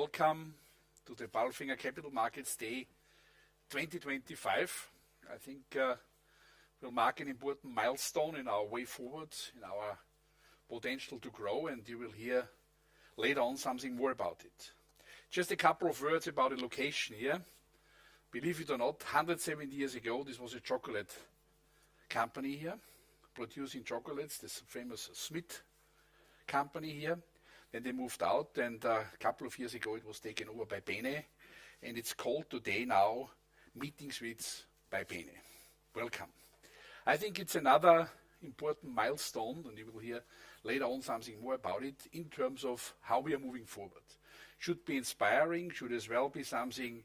Welcome to the PALFINGER Capital Markets Day 2025. I think we'll mark an important milestone in our way forward, in our potential to grow, and you will hear later on something more about it. Just a couple of words about the location here. Believe it or not, 170 years ago, this was a chocolate company here, producing chocolates. This famous Schmidt company here, and they moved out, and a couple of years ago, it was taken over by Bene, and it's called today now Meeting Suites by Bene. Welcome. I think it's another important milestone, and you will hear later on something more about it in terms of how we are moving forward. It should be inspiring. It should as well be something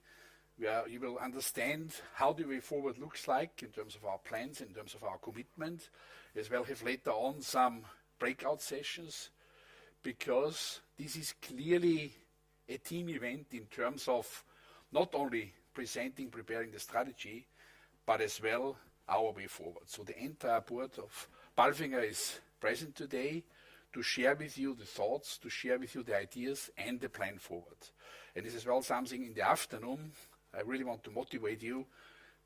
where you will understand how the way forward looks like in terms of our plans, in terms of our commitment. As well, have later on some breakout sessions because this is clearly a team event in terms of not only presenting, preparing the strategy, but as well our way forward, so the entire board of PALFINGER is present today to share with you the thoughts, to share with you the ideas, and the plan forward, and this is all something in the afternoon. I really want to motivate you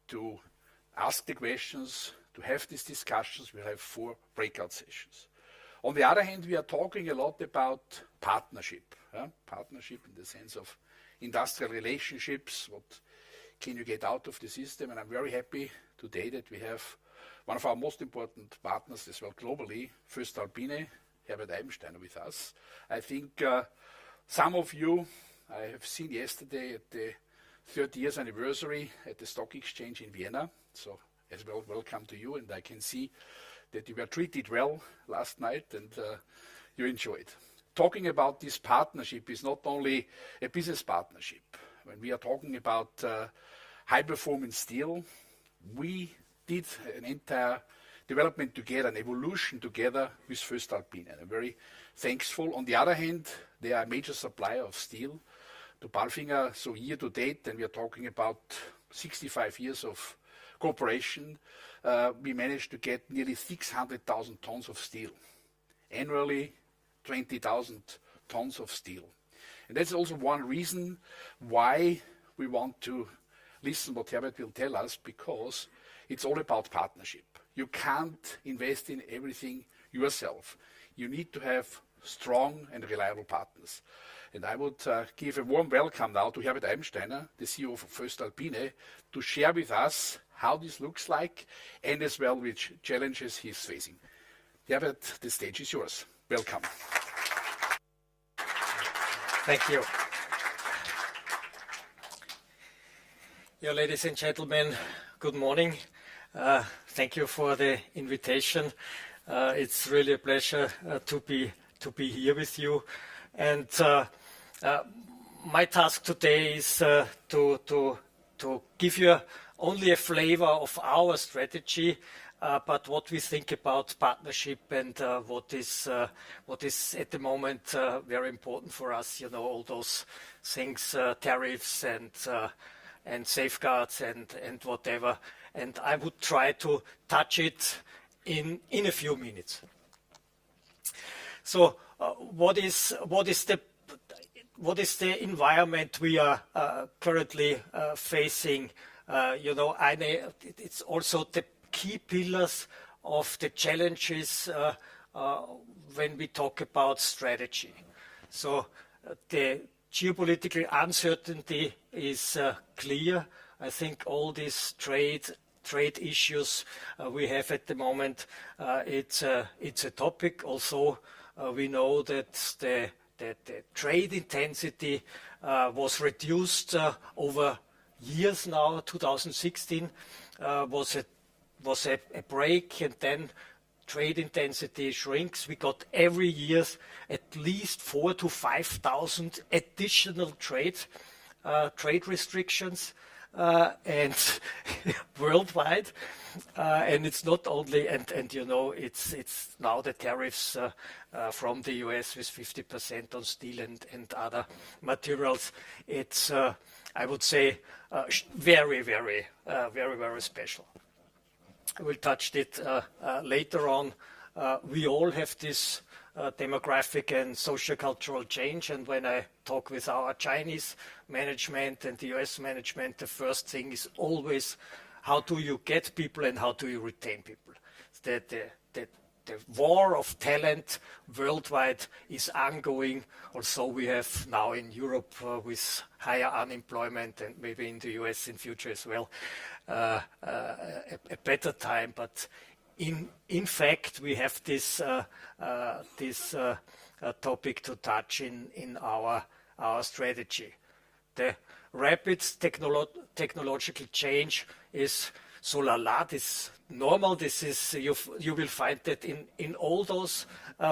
to ask the questions, to have these discussions. We'll have four breakout sessions. On the other hand, we are talking a lot about partnership, partnership in the sense of industrial relationships. What can you get out of the system, and I'm very happy today that we have one of our most important partners as well globally, voestalpine, Herbert Eibensteiner with us. I think some of you I have seen yesterday at the 30-year anniversary at the Stock Exchange in Vienna. So as well, welcome to you, and I can see that you were treated well last night and you enjoyed. Talking about this partnership is not only a business partnership. When we are talking about high-performing steel, we did an entire development together, an evolution together with voestalpine. I'm very thankful. On the other hand, they are a major supplier of steel to PALFINGER. So year to date, and we are talking about 65 years of cooperation, we managed to get nearly 600,000 tons of steel, annually 20,000 tons of steel, and that's also one reason why we want to listen to what Herbert will tell us, because it's all about partnership. You can't invest in everything yourself. You need to have strong and reliable partners. I would give a warm welcome now to Herbert Eibensteiner, the CEO of voestalpine, to share with us how this looks like and as well which challenges he's facing. Herbert, the stage is yours. Welcome. Thank you. Yeah, ladies and gentlemen, good morning. Thank you for the invitation. It's really a pleasure to be here with you. And my task today is to give you only a flavor of our strategy, but what we think about partnership and what is at the moment very important for us, you know, all those things, tariffs and safeguards and whatever. And I would try to touch it in a few minutes. So what is the environment we are currently facing? You know, it's also the key pillars of the challenges when we talk about strategy. So the geopolitical uncertainty is clear. I think all these trade issues we have at the moment, it's a topic. Also, we know that the trade intensity was reduced over years now. 2016 was a break, and then trade intensity shrinks. We got every year at least 4,000-5,000 additional trade restrictions worldwide. And it's not only, and you know, it's now the tariffs from the U.S. with 50% on steel and other materials. It's, I would say, very, very, very, very special. We'll touch it later on. We all have this demographic and sociocultural change. And when I talk with our Chinese management and the U.S. management, the first thing is always, how do you get people and how do you retain people? The war of talent worldwide is ongoing. Also, we have now in Europe with higher unemployment and maybe in the U.S. in future as well, a better time. But in fact, we have this topic to touch in our strategy. The rapid technological change is so la la, this is normal. You will find it in all those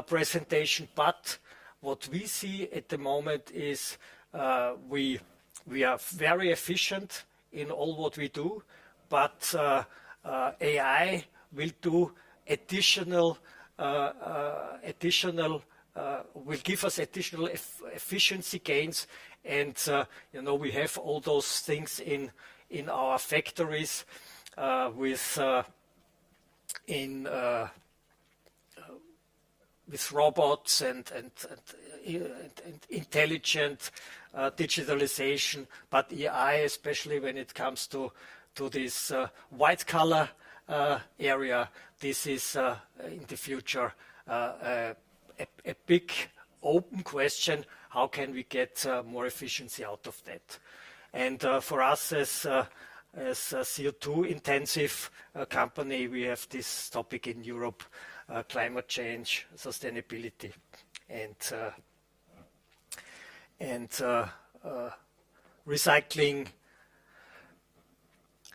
presentations. But what we see at the moment is we are very efficient in all what we do, but AI will do additional, will give us additional efficiency gains. And you know, we have all those things in our factories with robots and intelligent digitalization. But AI, especially when it comes to this white-collar area, this is in the future a big open question. How can we get more efficiency out of that? And for us, as a CO2-intensive company, we have this topic in Europe, climate change, sustainability, and recycling.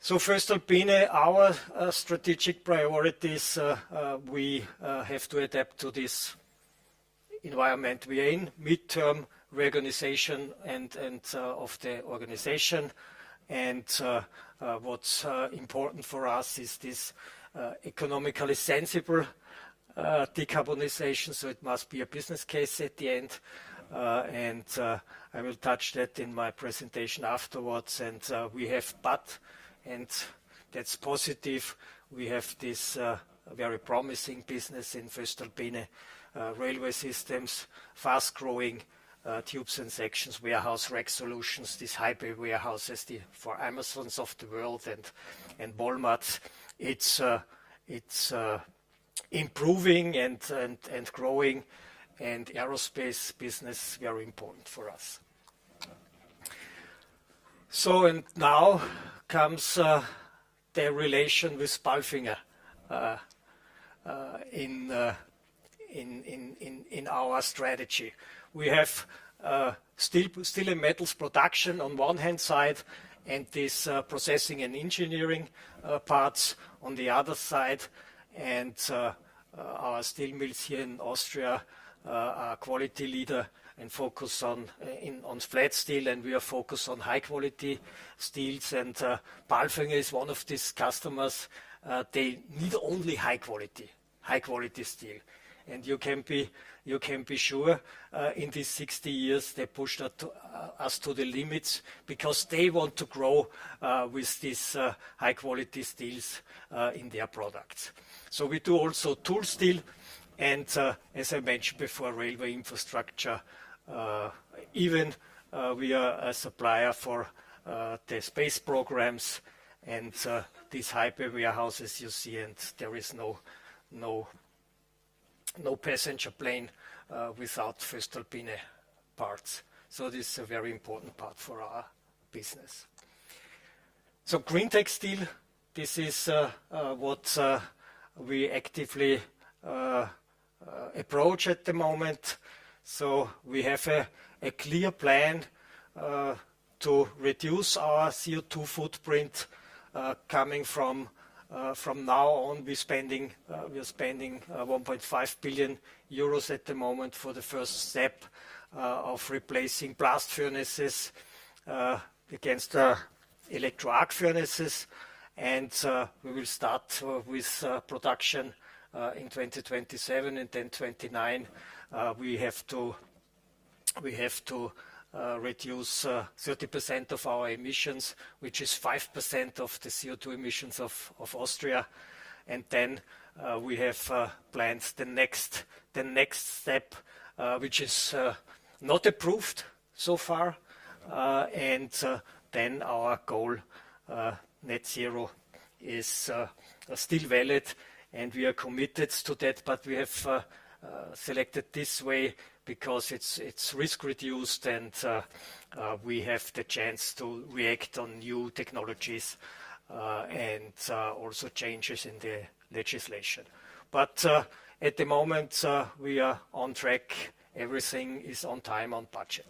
So voestalpine, our strategic priorities, we have to adapt to this environment we are in, midterm reorganization of the organization. And what's important for us is this economically sensible decarbonization. So it must be a business case at the end. And I will touch that in my presentation afterwards. And we have PAT, and that's positive. We have this very promising business in voestalpine, railway systems, fast-growing tubes and sections, warehouse rack solutions, these hybrid warehouses for Amazons of the world and Walmarts. It's improving and growing, and aerospace business, very important for us. Now comes the relation with PALFINGER in our strategy. We have steel and metals production on one hand side and this processing and engineering parts on the other side. Our steel mills here in Austria are quality leader and focus on flat steel, and we are focused on high-quality steels. PALFINGER is one of these customers. They need only high-quality, high-quality steel. You can be sure in these 60 years, they pushed us to the limits because they want to grow with these high-quality steels in their products. We do also tool steel. As I mentioned before, railway infrastructure. Even we are a supplier for the space programs and these hybrid warehouses you see, and there is no passenger plane without voestalpine parts. So this is a very important part for our business. So green steel, this is what we actively approach at the moment. So we have a clear plan to reduce our CO2 footprint coming from now on. We're spending 1.5 billion euros at the moment for the first step of replacing blast furnaces against the electric arc furnaces. And we will start with production in 2027. In 2029, we have to reduce 30% of our emissions, which is 5% of the CO2 emissions of Austria. And then we have planned the next step, which is not approved so far. And then our goal, net zero, is still valid, and we are committed to that. But we have selected this way because it's risk-reduced and we have the chance to react on new technologies and also changes in the legislation. But at the moment, we are on track. Everything is on time, on budget.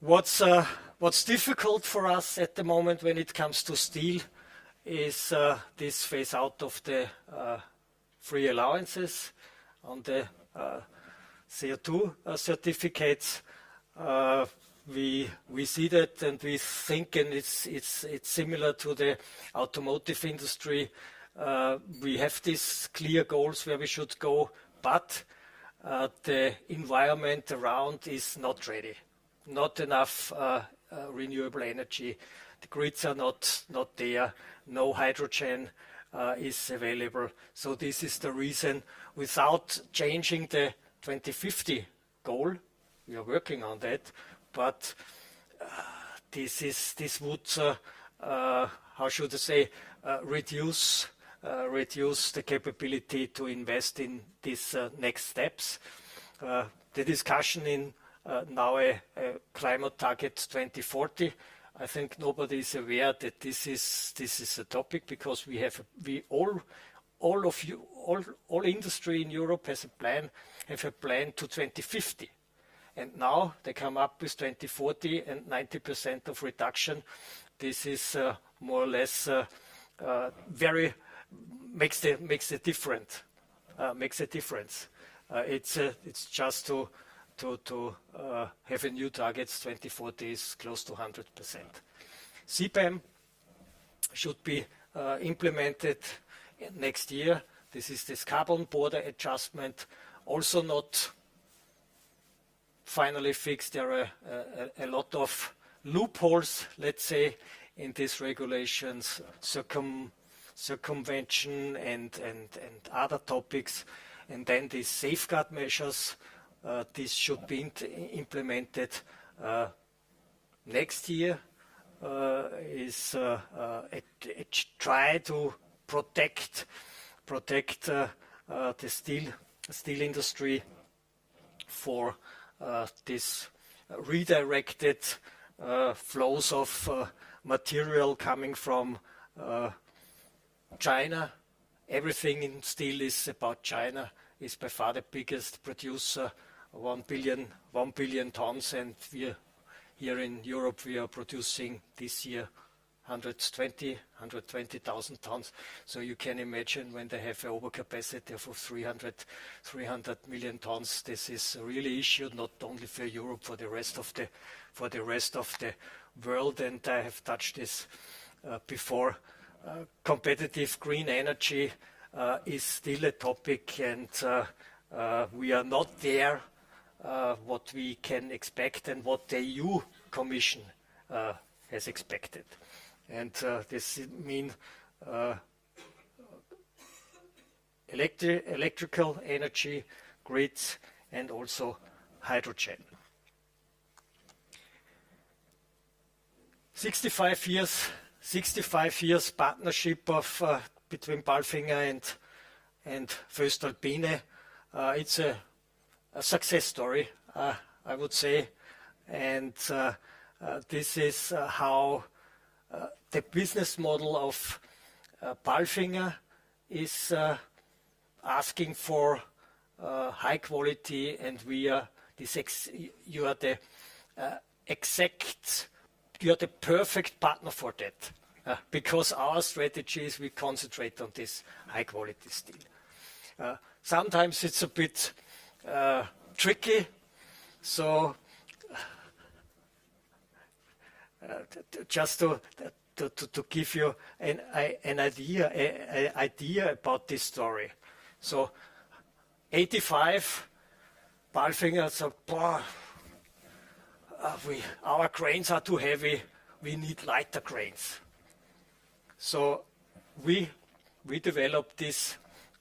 What's difficult for us at the moment when it comes to steel is this phase out of the free allowances on the CO2 certificates. We see that and we think, and it's similar to the automotive industry. We have these clear goals where we should go, but the environment around is not ready. Not enough renewable energy. The grids are not there. No hydrogen is available. So this is the reason without changing the 2050 goal, we are working on that, but this would, how should I say, reduce the capability to invest in these next steps. The discussion is now on a climate target 2040. I think nobody is aware that this is a topic because the whole industry in Europe has a plan to 2050. Now they come up with 2040 and 90% reduction. This more or less very much makes a difference. It's just to have a new target. 2040 is close to 100%. CBAM should be implemented next year. This is the carbon border adjustment, also not finally fixed. There are a lot of loopholes, let's say, in these regulations, circumvention and other topics. Then these safeguard measures should be implemented next year to protect the steel industry from these redirected flows of material coming from China. Everything in steel is about China. It's by far the biggest producer, 1 billion tons. Here in Europe, we are producing this year 120,000 tons. So you can imagine when they have an overcapacity of 300 million tons. This is a really issue not only for Europe, for the rest of the world. And I have touched this before. Competitive green energy is still a topic, and we are not there what we can expect and what the EU Commission has expected. And this means electrical energy, grids, and also hydrogen. 65 years partnership between PALFINGER and voestalpine. It's a success story, I would say. And this is how the business model of PALFINGER is asking for high quality, and we are the exact, you're the perfect partner for that because our strategy is we concentrate on this high-quality steel. Sometimes it's a bit tricky. So just to give you an idea about this story. So 1985, PALFINGER said, "Our cranes are too heavy. We need lighter cranes." So we developed this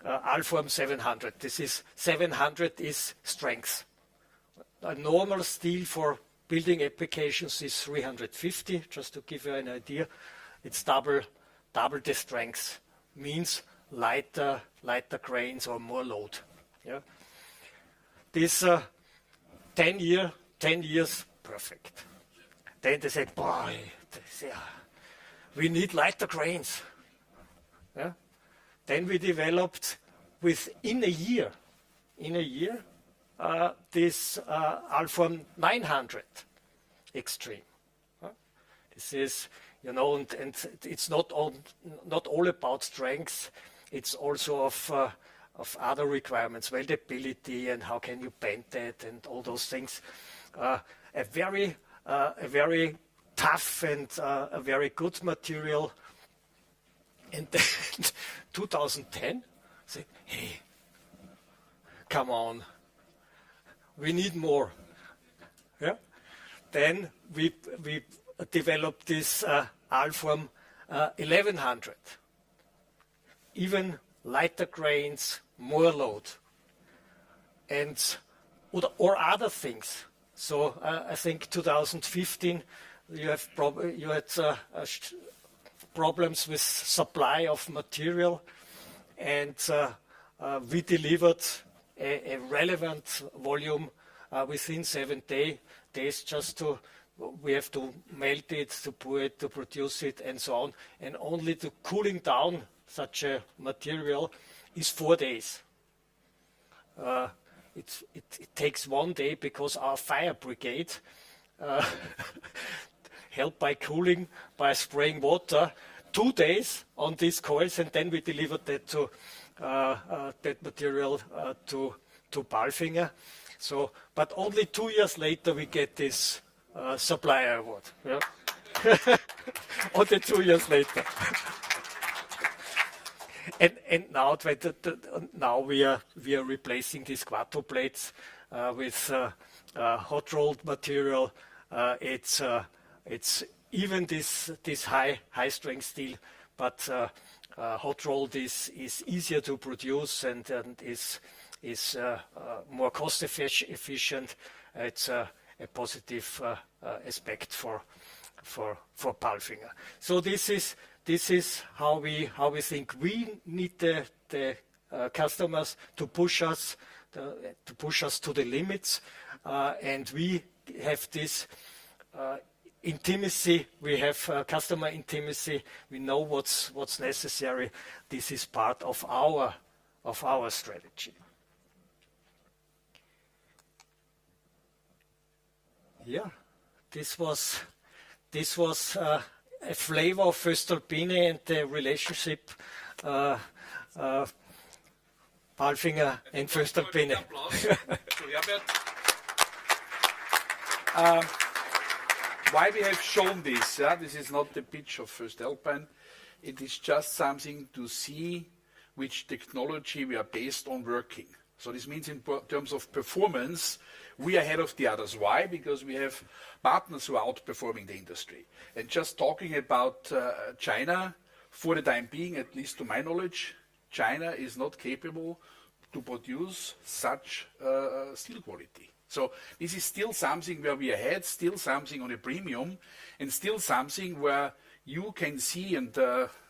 alform 700. This is 700 is strength. Normal steel for building applications is 350. Just to give you an idea, it's double the strength, means lighter cranes or more load. Yeah? This 10 years, perfect, then they said, "We need lighter cranes." Yeah?, then we developed within a year, in a year, this alform 900 x-treme. This is, you know, and it's not all about strength. It's also of other requirements, weldability and how can you bend that and all those things. A very tough and a very good material, and then 2010, say, "Hey, come on, we need more." Yeah?, then we developed this alform 1100. Even lighter cranes, more load, and/or other things, so I think 2015, you had problems with supply of material, and we delivered a relevant volume within seven days. Just to we have to melt it, to pour it, to produce it, and so on. Only to cooling down such a material is four days. It takes one day because our fire brigade helped by cooling by spraying water, two days on these coils, and then we delivered that material to PALFINGER. But only two years later, we get this supplier award. Only two years later. And now we are replacing these quarto plates with hot-rolled material. It's even this high-strength steel, but hot-rolled is easier to produce and is more cost-efficient. It's a positive aspect for PALFINGER. So this is how we think we need the customers to push us to the limits. And we have this intimacy. We have customer intimacy. We know what's necessary. This is part of our strategy. Yeah, this was a flavor of voestalpine and the relationship PALFINGER and voestalpine. Why we have shown this? This is not the pitch of voestalpine. It is just something to see which technology we are based on working, so this means in terms of performance, we are ahead of the others. Why? Because we have partners who are outperforming the industry, and just talking about China, for the time being, at least to my knowledge, China is not capable to produce such steel quality, so this is still something where we are ahead, still something on a premium, and still something where you can see, and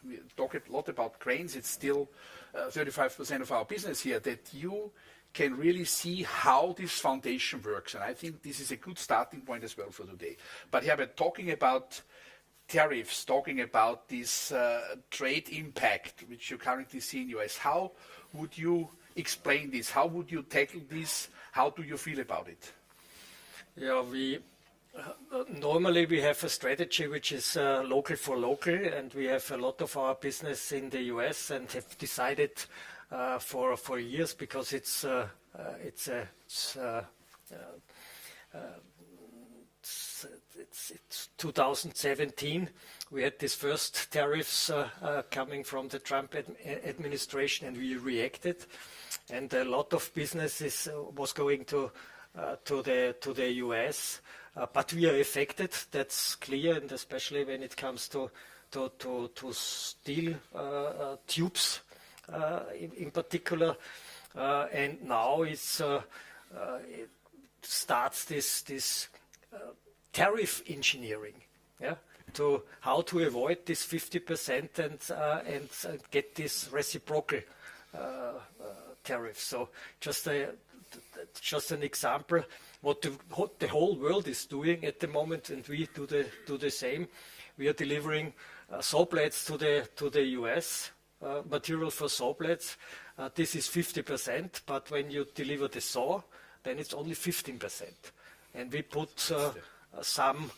we talk a lot about cranes. It's still 35% of our business here that you can really see how this foundation works, and I think this is a good starting point as well for today, but yeah, but talking about tariffs, talking about this trade impact, which you currently see in the U.S., how would you explain this? How would you tackle this? How do you feel about it? Yeah, normally we have a strategy which is local for local, and we have a lot of our business in the U.S. and have decided for years because it's 2017. We had these first tariffs coming from the Trump administration, and we reacted, and a lot of business was going to the U.S., but we are affected. That's clear, and especially when it comes to steel tubes in particular, and now it starts this tariff engineering, yeah, to how to avoid this 50% and get this reciprocal tariff. So just an example, what the whole world is doing at the moment, and we do the same. We are delivering saw blades to the U.S., material for saw blades. This is 50%, but when you deliver the saw, then it's only 15%, and we put some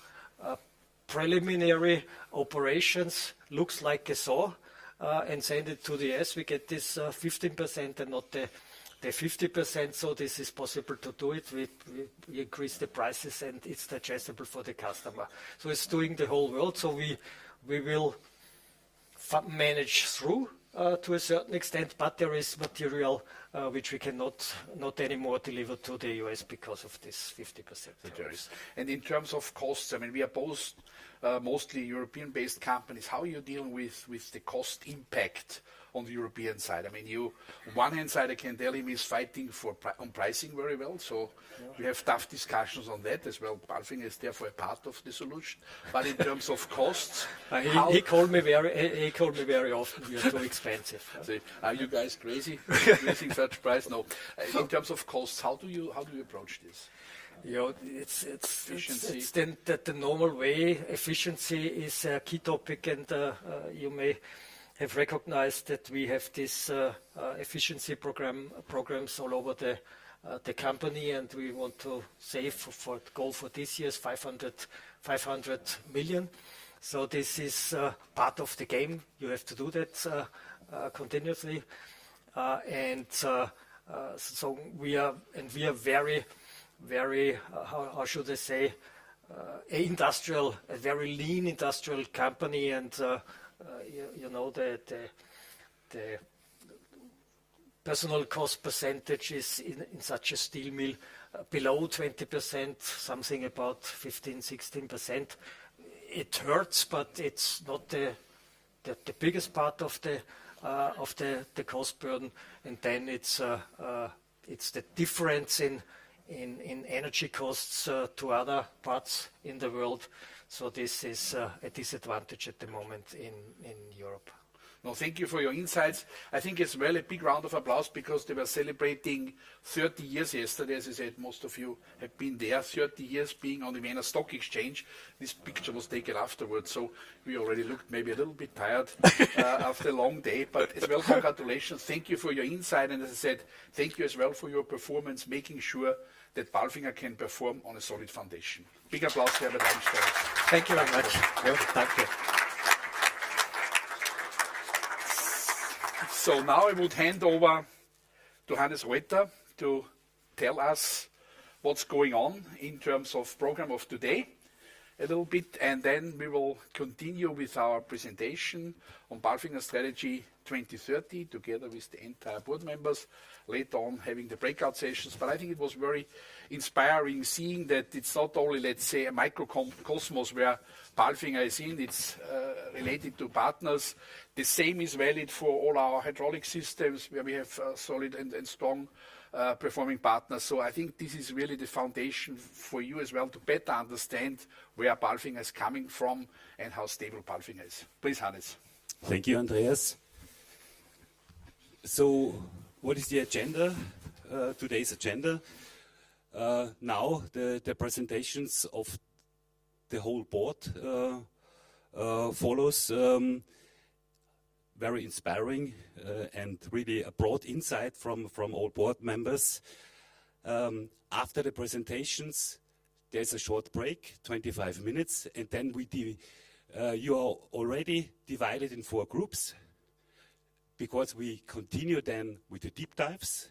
preliminary operations, looks like a saw, and send it to the U.S. We get this 15% and not the 50%, so this is possible to do it. We increase the prices, and it's digestible for the customer, so it's doing the whole world, so we will manage through to a certain extent, but there is material which we cannot anymore deliver to the U.S. because of this 50%. And in terms of costs, I mean, we are both mostly European-based companies. How are you dealing with the cost impact on the European side? I mean, on the one hand, I can tell, he is fighting on pricing very well, so we have tough discussions on that as well. PALFINGER is therefore a part of the solution, but in terms of costs? He called me very often, "You're too expensive." Are you guys crazy? Crazy in such price? No. In terms of costs, how do you approach this? Yeah, it's efficiency. The normal way, efficiency is a key topic, and you may have recognized that we have these efficiency programs all over the company, and we want to save, our goal for this year, 500 million. So this is part of the game. You have to do that continuously. And so we are very, how should I say, a very lean industrial company. And you know the personnel cost percentage is in such a steel mill below 20%, something about 15%-16%. It hurts, but it's not the biggest part of the cost burden. And then it's the difference in energy costs to other parts in the world. So this is a disadvantage at the moment in Europe. Well, thank you for your insights. I think it's a really big round of applause because they were celebrating 30 years yesterday. As I said, most of you have been there. 30 years being on the Vienna Stock Exchange. This picture was taken afterwards. So we already looked maybe a little bit tired after a long day. But as well, congratulations. Thank you for your insight. And as I said, thank you as well for your performance, making sure that PALFINGER can perform on a solid foundation. Big applause here with Eibensteiner. Thank you very much. Thank you. So now I would hand over to Hannes Roither to tell us what's going on in terms of program of today a little bit. And then we will continue with our presentation on PALFINGER Strategy 2030 together with the entire board members. Later on, having the breakout sessions. But I think it was very inspiring seeing that it's not only, let's say, a microcosm where PALFINGER is in. It's related to partners. The same is valid for all our hydraulic systems where we have solid and strong performing partners. So I think this is really the foundation for you as well to better understand where PALFINGER is coming from and how stable PALFINGER is. Please, Hannes. Thank you, Andreas. So what is the agenda, today's agenda? Now the presentations of the whole Board follows. Very inspiring and really a broad insight from all Board members. After the presentations, there's a short break, 25 minutes. And then you are already divided in four groups because we continue then with the deep dives.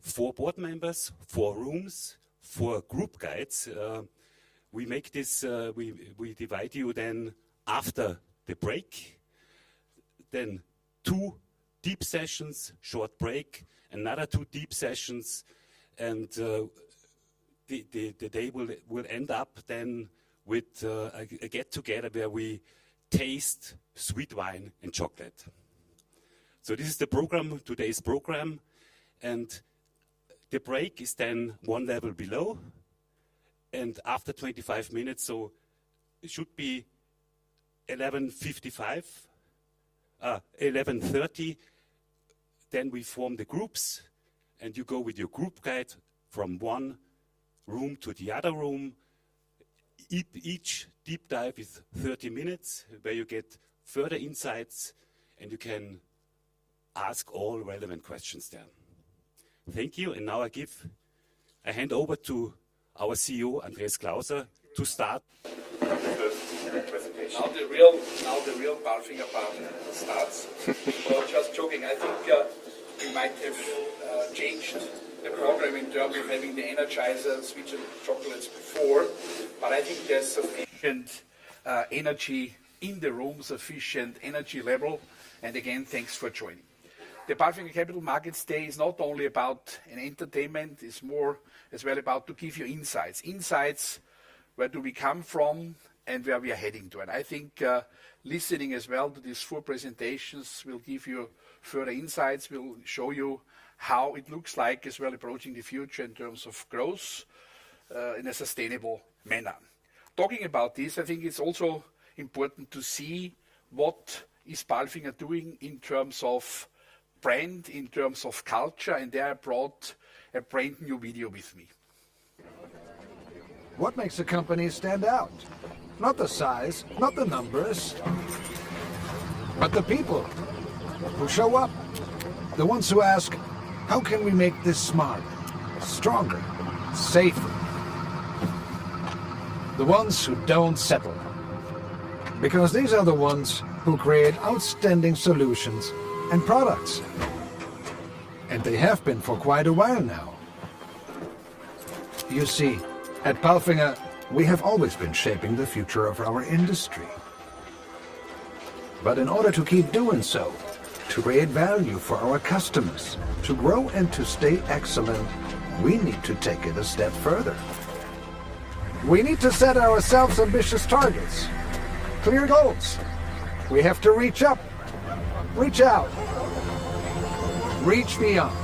Four Board members, four rooms, four group guides. We make this, we divide you then after the break. Then two deep sessions, short break, another two deep sessions. And the day will end up then with a get-together where we taste sweet wine and chocolate. This is the program, today's program. The break is then one level below. After 25 minutes, it should be 11:55 A.M., 11:30 A.M., then we form the groups and you go with your group guide from one room to the other room. Each deep dive is 30 minutes where you get further insights and you can ask all relevant questions there. Thank you. Now I give a hand over to our CEO, Andreas Klauser, to start. The real PALFINGER part starts, well, just joking. I think we might have changed the program in terms of having the energizer and sweet chocolates before, but I think there's sufficient energy in the rooms, sufficient energy level. Again, thanks for joining. The PALFINGER Capital Markets Day is not only about entertainment. It's more as well about to give you insights. Insights, where do we come from and where we are heading to. And I think listening as well to these four presentations will give you further insights, will show you how it looks like as well approaching the future in terms of growth in a sustainable manner. Talking about this, I think it's also important to see what is PALFINGER doing in terms of brand, in terms of culture. And there I brought a brand new video with me. What makes a company stand out? Not the size, not the numbers, but the people who show up. The ones who ask, "How can we make this smarter, stronger, safer?" The ones who don't settle. Because these are the ones who create outstanding solutions and products. And they have been for quite a while now. You see, at PALFINGER, we have always been shaping the future of our industry. But in order to keep doing so, to create value for our customers, to grow and to stay excellent, we need to take it a step further. We need to set ourselves ambitious targets, clear goals. We have to reach up, reach out, reach beyond.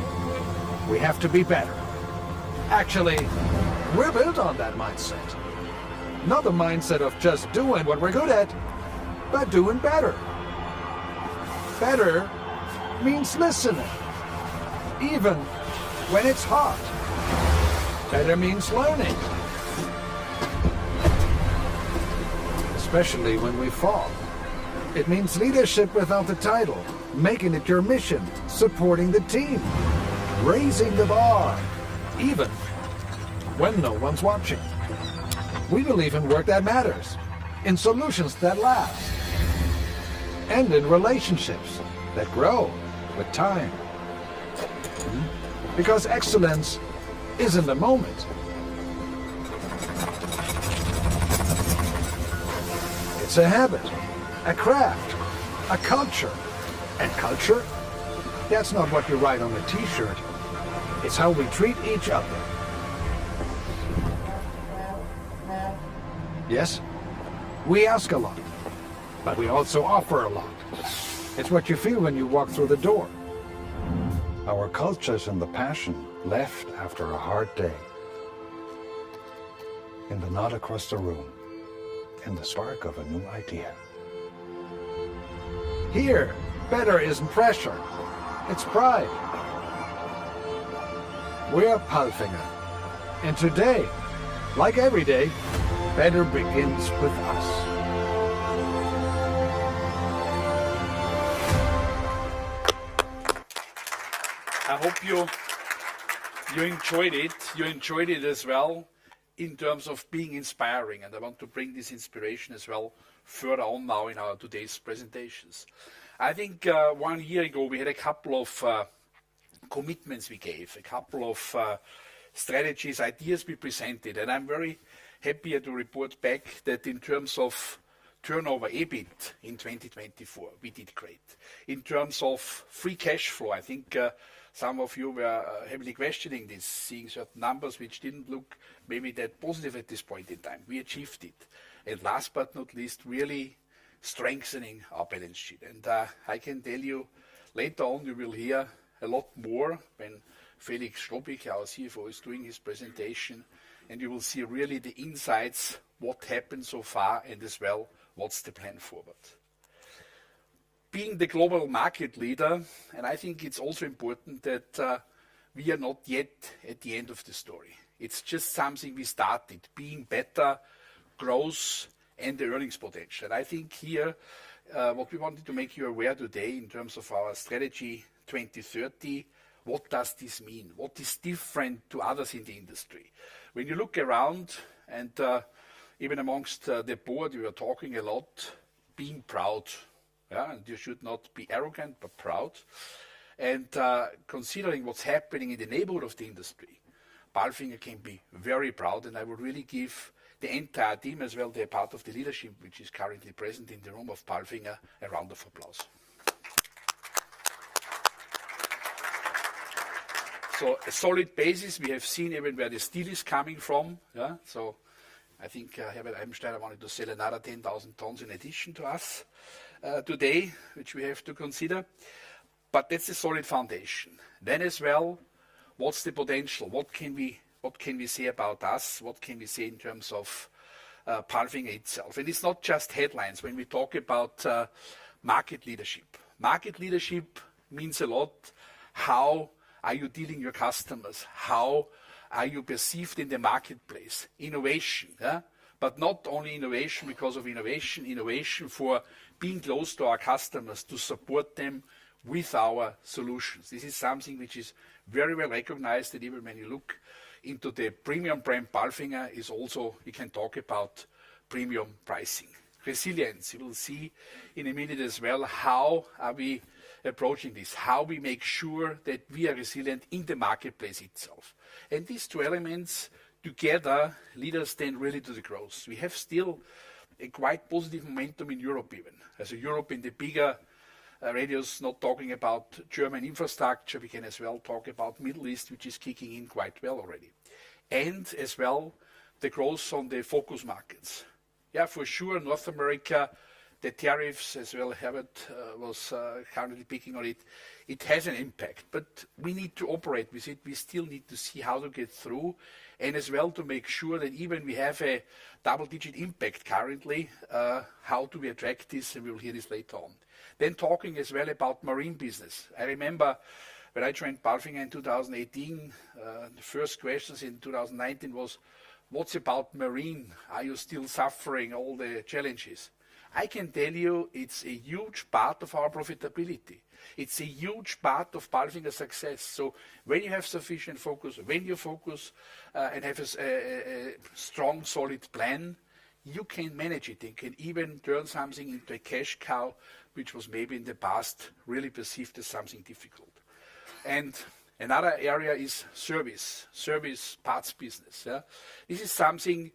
We have to be better. Actually, we're built on that mindset. Not the mindset of just doing what we're good at, but doing better. Better means listening, even when it's hard. Better means learning. Especially when we fall. It means leadership without the title, making it your mission, supporting the team, raising the bar, even when no one's watching. We believe in work that matters, in solutions that last, and in relationships that grow with time. Because excellence isn't a moment. It's a habit, a craft, a culture. And culture, that's not what you write on a T-shirt. It's how we treat each other. Yes, we ask a lot, but we also offer a lot. It's what you feel when you walk through the door. Our culture is in the passion left after a hard day. In the nod across the room, in the spark of a new idea. Here, better isn't pressure. It's pride. We're PALFINGER, and today, like every day, better begins with us. I hope you enjoyed it, and you enjoyed it as well in terms of being inspiring, and I want to bring this inspiration as well further on now in our today's presentations. I think one year ago, we had a couple of commitments we gave, a couple of strategies, ideas we presented, and I'm very happy to report back that in terms of turnover, EBIT in 2024, we did great. In terms of free cash flow, I think some of you were heavily questioning this, seeing certain numbers which didn't look maybe that positive at this point in time. We achieved it, and last but not least, really strengthening our balance sheet, and I can tell you later on, you will hear a lot more when Felix Strohbichler, our CFO, is doing his presentation, and you will see really the insights, what happened so far, and as well, what's the plan forward. Being the global market leader, and I think it's also important that we are not yet at the end of the story. It's just something we started, being better, growth, and the earnings potential, and I think here, what we wanted to make you aware today in terms of our Strategy 2030, what does this mean? What is different to others in the industry? When you look around and even amongst the board, you are talking a lot, being proud. And you should not be arrogant, but proud. And considering what's happening in the neighborhood of the industry, PALFINGER can be very proud. And I would really give the entire team as well, the part of the leadership, which is currently present in the room of PALFINGER, a round of applause. So a solid basis. We have seen even where the steel is coming from. So I think Herbert Eibensteiner wanted to sell another 10,000 tons in addition to us today, which we have to consider. But that's a solid foundation. Then as well, what's the potential? What can we say about us? What can we say in terms of PALFINGER itself? And it's not just headlines when we talk about market leadership. Market leadership means a lot. How are you dealing with your customers? How are you perceived in the marketplace? Innovation, but not only innovation because of innovation, innovation for being close to our customers, to support them with our solutions. This is something which is very well recognized that even when you look into the premium brand PALFINGER, it's also you can talk about premium pricing. Resilience. You will see in a minute as well how are we approaching this, how we make sure that we are resilient in the marketplace itself, and these two elements together lead us then really to the growth. We have still a quite positive momentum in Europe even. As for Europe in the bigger radius, not talking about German infrastructure, we can as well talk about the Middle East, which is kicking in quite well already, and as well, the growth on the focus markets. Yeah, for sure. North America, the tariffs as well. Herbert was currently picking on it. It has an impact, but we need to operate with it. We still need to see how to get through and as well to make sure that even we have a double-digit impact currently, how do we attract this? We will hear this later on. Talking as well about marine business. I remember when I joined PALFINGER in 2018, the first questions in 2019 was, what's about marine? Are you still suffering all the challenges? I can tell you it's a huge part of our profitability. It's a huge part of PALFINGER's success. When you have sufficient focus, when you focus and have a strong, solid plan, you can manage it and can even turn something into a cash cow, which was maybe in the past really perceived as something difficult. And another area is service, service parts business. This is something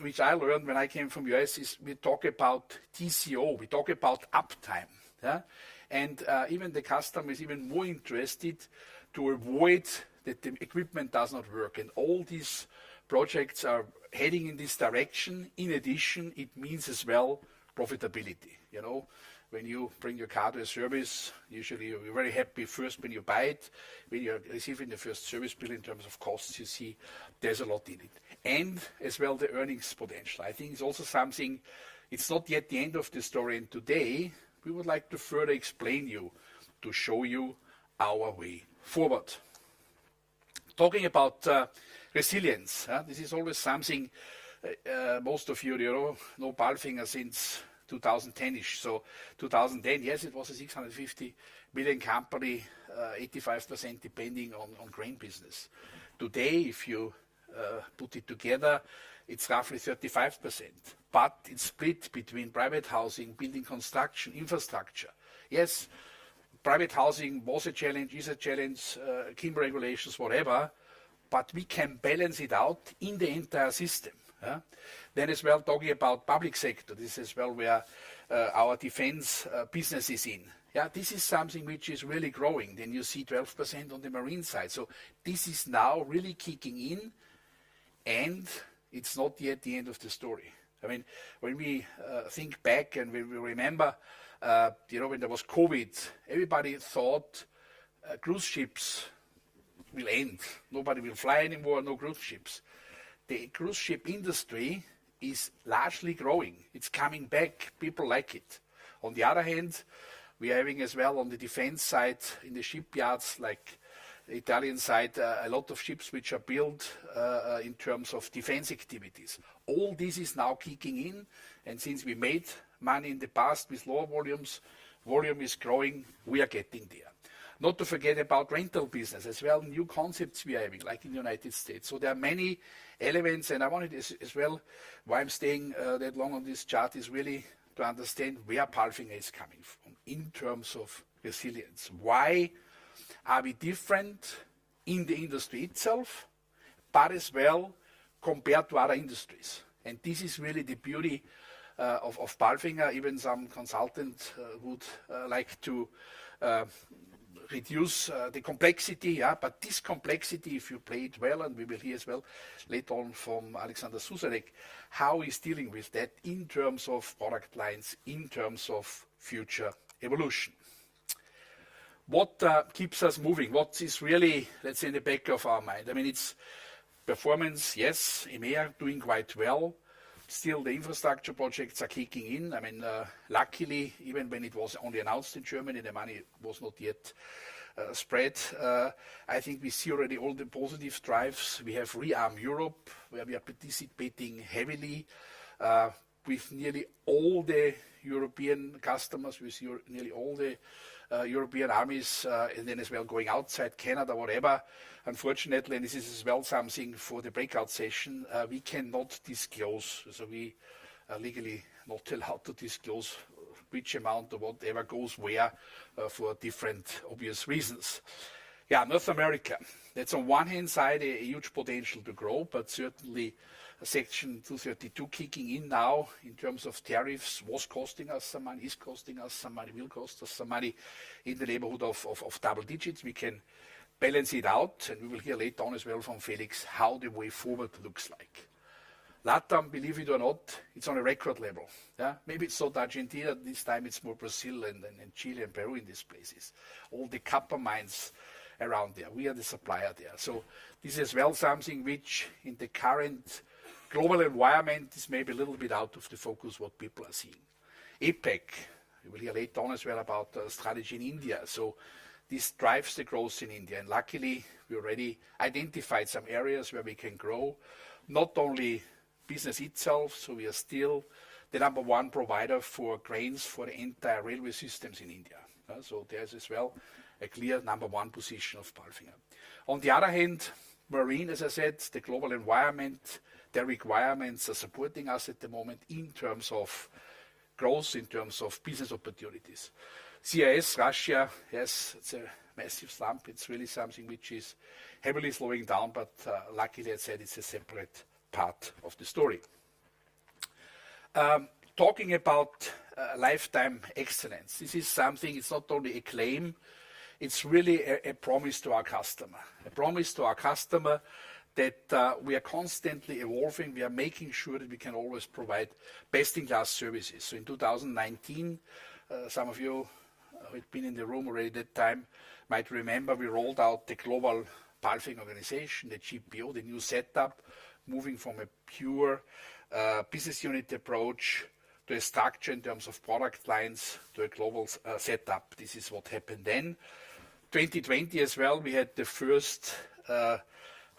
which I learned when I came from the U.S. is we talk about TCO, we talk about uptime. And even the customer is even more interested to avoid that the equipment does not work. And all these projects are heading in this direction. In addition, it means as well profitability. When you bring your car to a service, usually you're very happy first when you buy it. When you're receiving the first service bill in terms of costs, you see there's a lot in it. And as well, the earnings potential. I think it's also something, it's not yet the end of the story. And today, we would like to further explain to show you our way forward. Talking about resilience, this is always something most of you know PALFINGER since 2010-ish. So, 2010, yes, it was a 650 million company, 85% depending on crane business. Today, if you put it together, it's roughly 35%, but it's split between private housing, building construction, infrastructure. Yes, private housing was a challenge, is a challenge, in regulations, whatever, but we can balance it out in the entire system, then as well, talking about public sector, this is, well, where our defense business is in. This is something which is really growing, then you see 12% on the marine side, so this is now really kicking in, and it's not yet the end of the story. I mean, when we think back and when we remember when there was COVID, everybody thought cruise ships will end. Nobody will fly anymore, no cruise ships. The cruise ship industry is largely growing. It's coming back. People like it. On the other hand, we are having as well on the defense side in the shipyards, like the Italian side, a lot of ships which are built in terms of defense activities. All this is now kicking in. And since we made money in the past with lower volumes, volume is growing. We are getting there. Not to forget about rental business as well, new concepts we are having, like in the United States. So there are many elements. And I wanted to as well, why I'm staying that long on this chart is really to understand where PALFINGER is coming from in terms of resilience. Why are we different in the industry itself, but as well compared to other industries? And this is really the beauty of PALFINGER. Even some consultants would like to reduce the complexity. But this complexity, if you play it well, and we will hear as well later on from Alexander Susanek, how he's dealing with that in terms of product lines, in terms of future evolution. What keeps us moving? What is really, let's say, in the back of our mind? I mean, it's performance, yes, EMEA doing quite well. Still, the infrastructure projects are kicking in. I mean, luckily, even when it was only announced in Germany and the money was not yet spread, I think we see already all the positive drives. We have ReArm Europe, where we are participating heavily with nearly all the European customers, with nearly all the European armies, and then as well going outside Canada, whatever. Unfortunately, and this is as well something for the breakout session, we cannot disclose. So we legally not tell how to disclose which amount or whatever goes where for different obvious reasons. Yeah, North America. That's on one hand side a huge potential to grow, but certainly Section 232 kicking in now in terms of tariffs was costing us some money, is costing us some money, will cost us some money in the neighborhood of double digits. We can balance it out, and we will hear later on as well from Felix how the way forward looks like. LatAm, believe it or not, it's on a record level. Maybe it's not Argentina this time, it's more Brazil and Chile and Peru in these places. All the copper mines around there. We are the supplier there. So this is well something which in the current global environment is maybe a little bit out of the focus what people are seeing. APAC, you will hear later on as well about the strategy in India. So this drives the growth in India. And luckily, we already identified some areas where we can grow, not only business itself. So we are still the number one provider for cranes for the entire railway systems in India. So there is as well a clear number one position of PALFINGER. On the other hand, marine, as I said, the global environment, the requirements are supporting us at the moment in terms of growth, in terms of business opportunities. CIS, Russia, yes, it's a massive slump. It's really something which is heavily slowing down, but luckily, as I said, it's a separate part of the story. Talking about Lifetime Excellence, this is something it's not only a claim, it's really a promise to our customer. A promise to our customer that we are constantly evolving. We are making sure that we can always provide best-in-class services, so in 2019, some of you who have been in the room already at that time might remember we rolled out the global PALFINGER organization, the GPO, the new setup, moving from a pure business unit approach to a structure in terms of product lines to a global setup. This is what happened then. 2020 as well, we had the first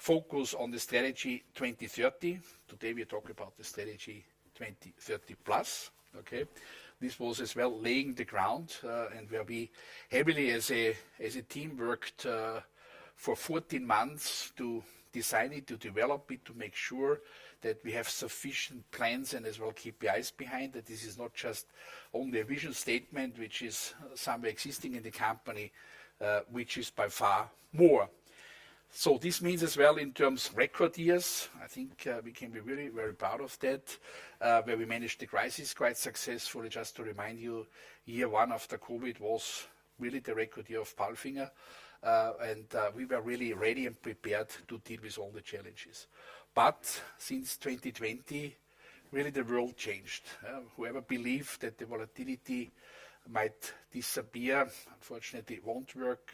focus on the Strategy 2030. Today, we talk about the Strategy 2030+. This was as well laying the ground and where we heavily as a team worked for 14 months to design it, to develop it, to make sure that we have sufficient plans and as well KPIs behind that this is not just only a vision statement, which is somewhere existing in the company, which is by far more. So this means as well in terms of record years. I think we can be really very proud of that, where we managed the crisis quite successfully. Just to remind you, year one after COVID was really the record year of PALFINGER. And we were really ready and prepared to deal with all the challenges. But since 2020, really the world changed. Whoever believed that the volatility might disappear, unfortunately, it won't work.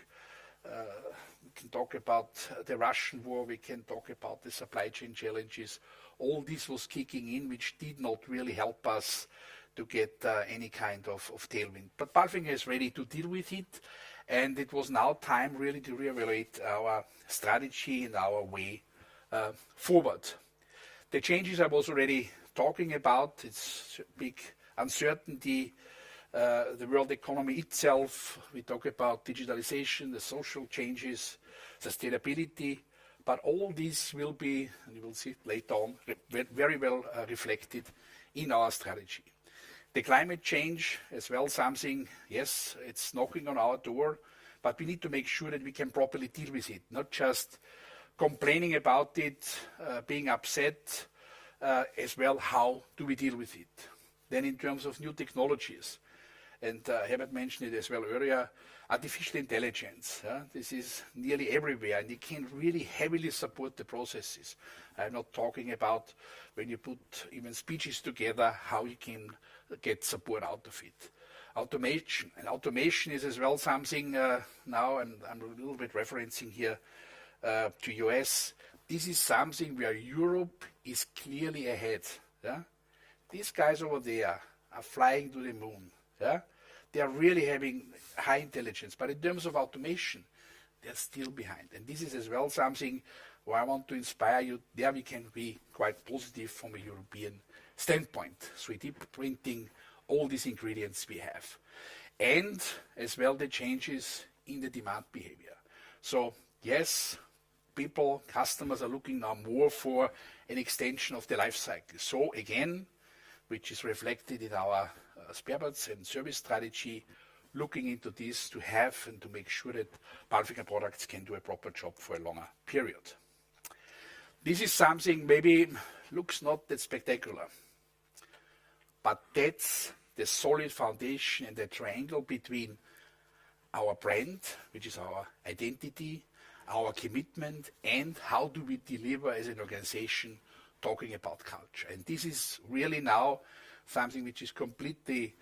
We can talk about the Russian war, we can talk about the supply chain challenges. All this was kicking in, which did not really help us to get any kind of tailwind. But PALFINGER is ready to deal with it. And it was now time really to reevaluate our strategy and our way forward. The changes I was already talking about, it's big uncertainty, the world economy itself, we talk about digitalization, the social changes, sustainability. But all this will be, and you will see it later on, very well reflected in our strategy. The climate change as well, something, yes, it's knocking on our door, but we need to make sure that we can properly deal with it, not just complaining about it, being upset, as well how do we deal with it, then in terms of new technologies, and I haven't mentioned it as well earlier, artificial intelligence. This is nearly everywhere, and it can really heavily support the processes. I'm not talking about when you put even speeches together, how you can get support out of it. Automation, and automation is as well something now, and I'm a little bit referencing here to U.S. This is something where Europe is clearly ahead. These guys over there are flying to the moon. They are really having high intelligence. But in terms of automation, they're still behind. And this is as well something where I want to inspire you. There we can be quite positive from a European standpoint. So we're 3D printing all these ingredients we have. And as well the changes in the demand behavior. So yes, people, customers are looking now more for an extension of the lifecycle. So again, which is reflected in our spare parts and service strategy, looking into this to have and to make sure that PALFINGER products can do a proper job for a longer period. This is something maybe looks not that spectacular, but that's the solid foundation and the triangle between our brand, which is our identity, our commitment, and how do we deliver as an organization talking about culture. And this is really now something which is completely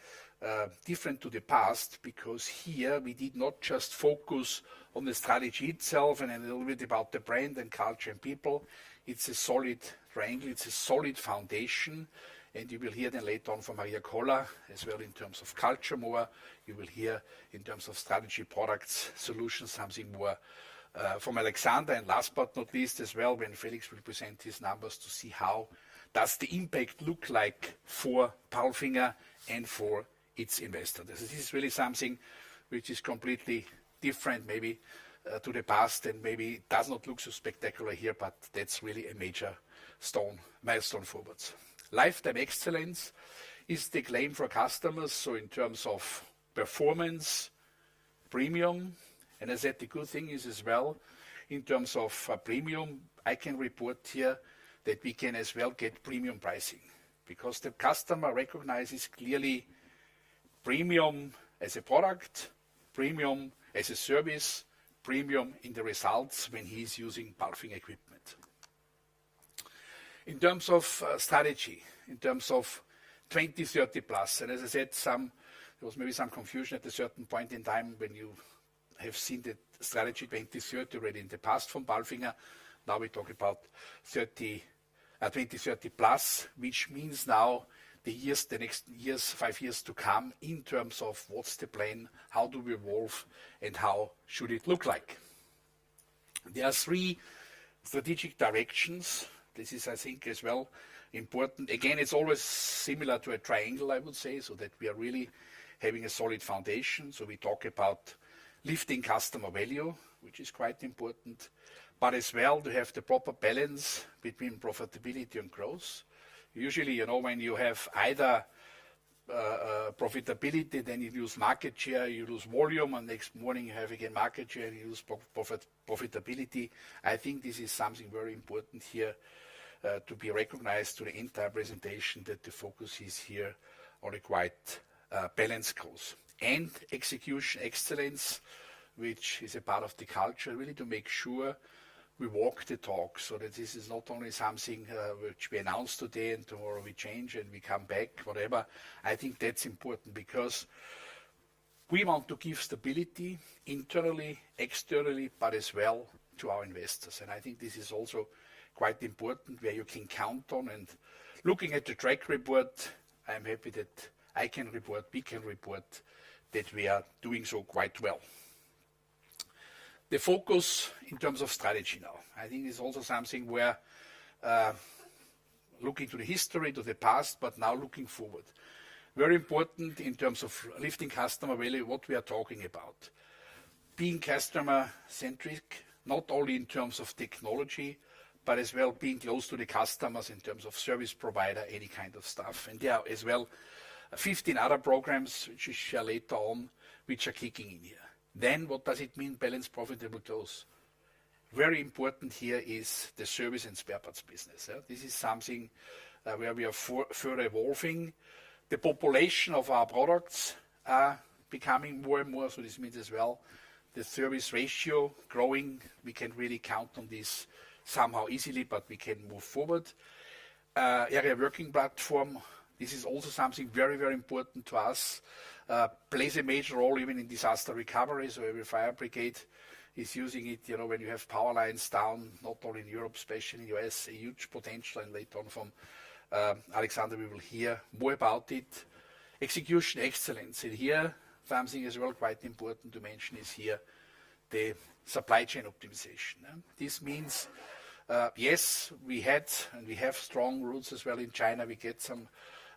different to the past because here we did not just focus on the strategy itself and a little bit about the brand and culture and people. It's a solid triangle; it's a solid foundation. And you will hear then later on from Maria Koller as well in terms of culture more. You will hear in terms of strategy, products, solutions, something more from Alexander. And last but not least as well, when Felix will present his numbers to see how does the impact look like for PALFINGER and for its investors. This is really something which is completely different maybe to the past and maybe does not look so spectacular here, but that's really a major milestone forwards. Lifetime Excellence is the claim for customers. So in terms of performance, premium. As I said, the good thing is as well in terms of premium. I can report here that we can as well get premium pricing because the customer recognizes clearly premium as a product, premium as a service, premium in the results when he's using PALFINGER equipment. In terms of Strategy 2030+, and as I said, there was maybe some confusion at a certain point in time when you have seen the Strategy 2030 already in the past from PALFINGER. Now we talk about 2030+, which means now the years, the next years, five years to come in terms of what's the plan, how do we evolve, and how should it look like. There are three strategic directions. This is, I think, as well important. Again, it's always similar to a triangle, I would say, so that we are really having a solid foundation. So we talk about lifting customer value, which is quite important, but as well to have the proper balance between profitability and growth. Usually, you know, when you have either profitability, then you lose market share, you lose volume, and next morning you have again market share and you lose profitability. I think this is something very important here to be recognized to the entire presentation that the focus is here on a quite balanced growth. And execution excellence, which is a part of the culture, really to make sure we walk the talk so that this is not only something which we announce today and tomorrow we change and we come back, whatever. I think that's important because we want to give stability internally, externally, but as well to our investors. And I think this is also quite important where you can count on. Looking at the track record, I'm happy that I can report, we can report that we are doing so quite well. The focus in terms of strategy now, I think it's also something where looking to the history, to the past, but now looking forward. Very important in terms of lifting customer value, what we are talking about. Being customer-centric, not only in terms of technology, but as well being close to the customers in terms of service provider, any kind of stuff. There are as well 15 other programs, which we share later on, which are kicking in here. What does it mean? Balanced profitable growth. Very important here is the service and spare parts business. This is something where we are further evolving. The population of our products are becoming more and more. This means as well the service ratio growing. We can really count on this somehow easily, but we can move forward. Aerial working platform, this is also something very, very important to us. It plays a major role even in disaster recovery. So every fire brigade is using it when you have power lines down, not only in Europe, especially in the U.S., a huge potential, and later on from Alexander, we will hear more about it. Execution excellence, and here something as well quite important to mention is here the supply chain optimization. This means, yes, we had and we have strong roots as well in China. We get some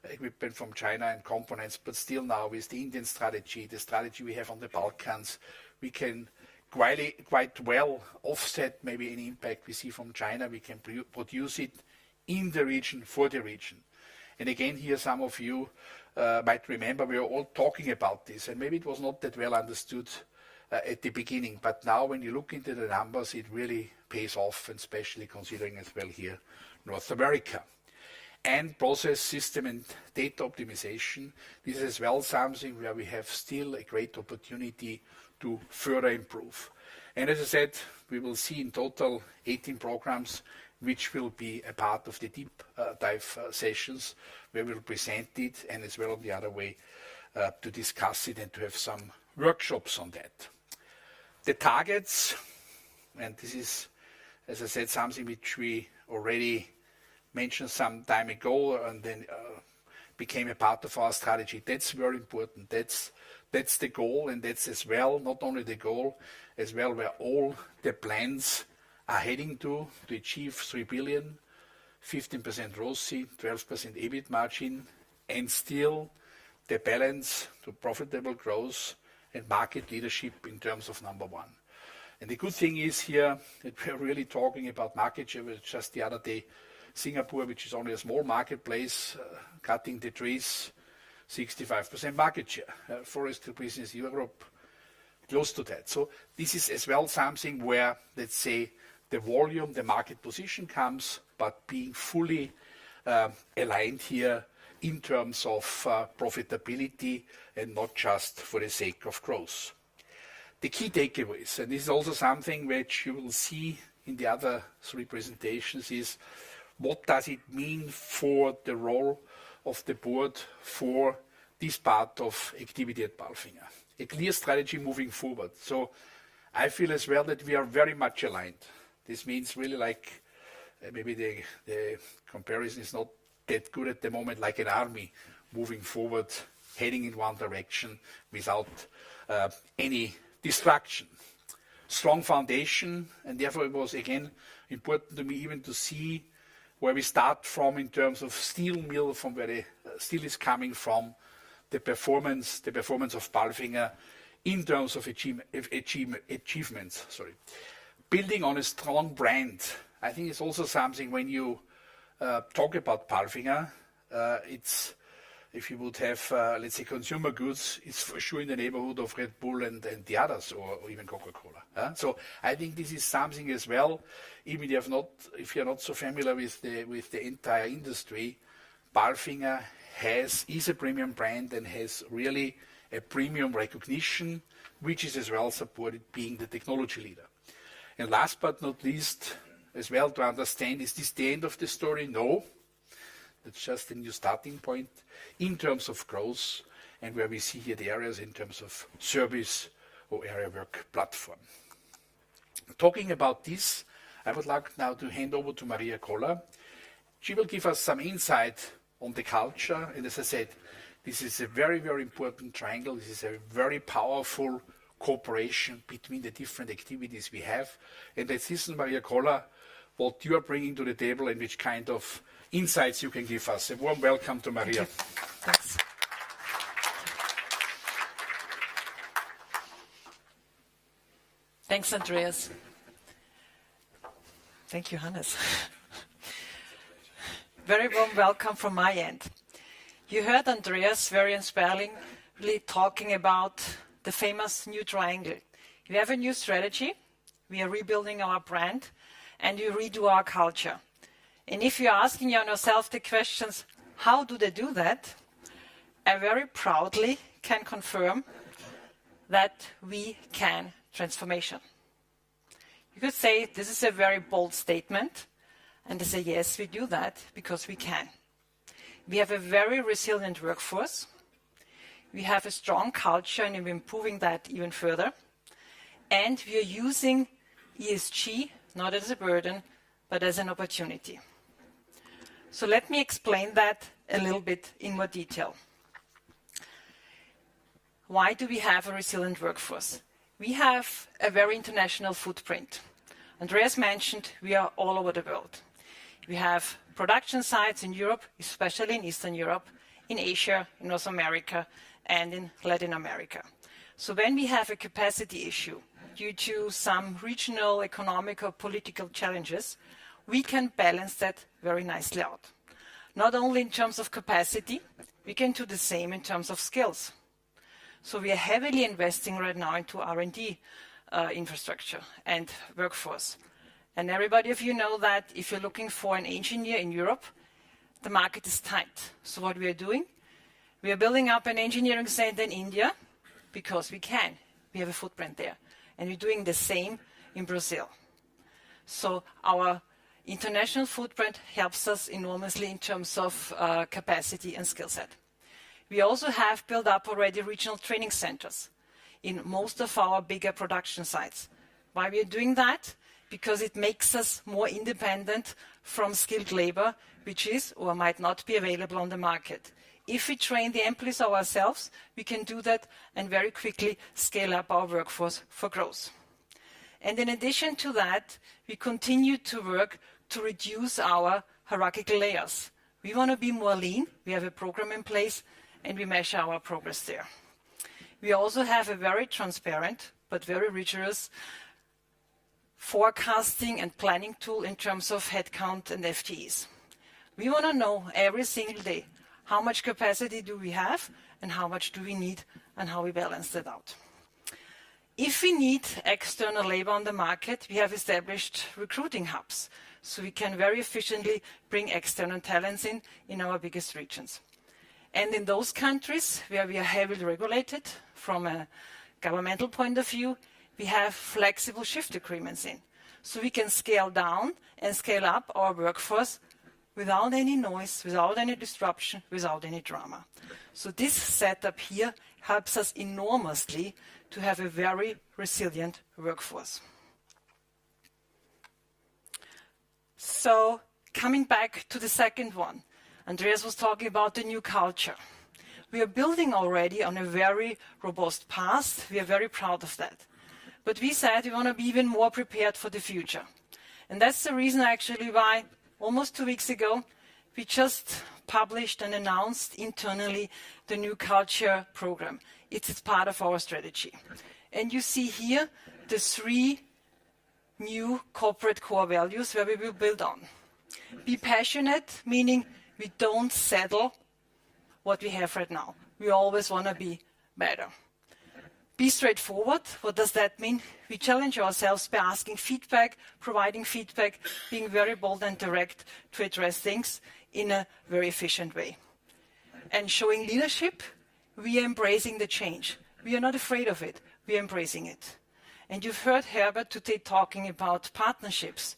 equipment from China and components, but still now with the Indian strategy, the strategy we have on the Balkans, we can quite well offset maybe any impact we see from China. We can produce it in the region for the region. And again, here some of you might remember we were all talking about this. And maybe it was not that well understood at the beginning, but now when you look into the numbers, it really pays off, and especially considering as well here North America. And process system and data optimization, this is as well something where we have still a great opportunity to further improve. And as I said, we will see in total 18 programs, which will be a part of the deep dive sessions where we'll present it and as well on the other way to discuss it and to have some workshops on that. The targets, and this is, as I said, something which we already mentioned some time ago and then became a part of our strategy. That's very important. That's the goal. And that's as well not only the goal, as well where all the plans are heading to, to achieve 3 billion, 15% ROCE, 12% EBIT margin, and still the balance to profitable growth and market leadership in terms of number one. And the good thing is here that we are really talking about market share. We were just the other day, Singapore, which is only a small marketplace, cutting the trees, 65% market share. Forestry business, Europe, close to that. So this is as well something where, let's say, the volume, the market position comes, but being fully aligned here in terms of profitability and not just for the sake of growth. The key takeaways, and this is also something which you will see in the other three presentations, is what does it mean for the role of the board for this part of activity at PALFINGER? A clear strategy moving forward. So I feel as well that we are very much aligned. This means really like maybe the comparison is not that good at the moment, like an army moving forward, heading in one direction without any distraction. Strong foundation, and therefore it was again important to me even to see where we start from in terms of steel mill, from where the steel is coming from, the performance, the performance of PALFINGER in terms of achievements. Building on a strong brand, I think it's also something when you talk about PALFINGER, it's if you would have, let's say, consumer goods, it's for sure in the neighborhood of Red Bull and the others or even Coca-Cola. I think this is something as well, even if you're not so familiar with the entire industry. PALFINGER is a premium brand and has really a premium recognition, which is as well supported being the technology leader. Last but not least, as well to understand, is this the end of the story? No. That's just a new starting point in terms of growth and where we see here the areas in terms of service or aerial work platform. Talking about this, I would like now to hand over to Maria Koller. She will give us some insight on the culture. As I said, this is a very, very important triangle. This is a very powerful cooperation between the different activities we have. Let's listen, Maria Koller, what you are bringing to the table and which kind of insights you can give us. A warm welcome to Maria. Thanks. Thanks, Andreas. Thank you, Hannes. Very warm welcome from my end. You heard Andreas very inspiringly talking about the famous new triangle. We have a new strategy. We are rebuilding our brand and we redo our culture. And if you're asking yourself the questions, how do they do that? I very proudly can confirm that we can transform. You could say this is a very bold statement and to say, yes, we do that because we can. We have a very resilient workforce. We have a strong culture and we're improving that even further. And we are using ESG not as a burden, but as an opportunity. So let me explain that a little bit in more detail. Why do we have a resilient workforce? We have a very international footprint. Andreas mentioned we are all over the world. We have production sites in Europe, especially in Eastern Europe, in Asia, in North America, and in Latin America. So when we have a capacity issue due to some regional, economic, or political challenges, we can balance that very nicely out. Not only in terms of capacity, we can do the same in terms of skills. So we are heavily investing right now into R&D infrastructure and workforce. And everybody, if you know that, if you're looking for an engineer in Europe, the market is tight. So what we are doing, we are building up an engineering center in India because we can. We have a footprint there. And we're doing the same in Brazil. So our international footprint helps us enormously in terms of capacity and skill set. We also have built up already regional training centers in most of our bigger production sites. Why we are doing that? Because it makes us more independent from skilled labor, which is or might not be available on the market. If we train the employees ourselves, we can do that and very quickly scale up our workforce for growth. And in addition to that, we continue to work to reduce our hierarchical layers. We want to be more lean. We have a program in place and we measure our progress there. We also have a very transparent, but very rigorous forecasting and planning tool in terms of headcount and FTEs. We want to know every single day how much capacity do we have and how much do we need and how we balance that out. If we need external labor on the market, we have established recruiting hubs so we can very efficiently bring external talents in in our biggest regions. And in those countries where we are heavily regulated from a governmental point of view, we have flexible shift agreements in. So we can scale down and scale up our workforce without any noise, without any disruption, without any drama. So this setup here helps us enormously to have a very resilient workforce. So coming back to the second one, Andreas was talking about the new culture. We are building already on a very robust past. We are very proud of that. But we said we want to be even more prepared for the future. And that's the reason actually why almost two weeks ago, we just published and announced internally the new culture program. It's part of our strategy. And you see here the three new corporate core values where we will build on. Be passionate, meaning we don't settle what we have right now. We always want to be better. Be straightforward. What does that mean? We challenge ourselves by asking feedback, providing feedback, being very bold and direct to address things in a very efficient way. And showing leadership, we are embracing the change. We are not afraid of it. We are embracing it, and you've heard Herbert today talking about partnerships.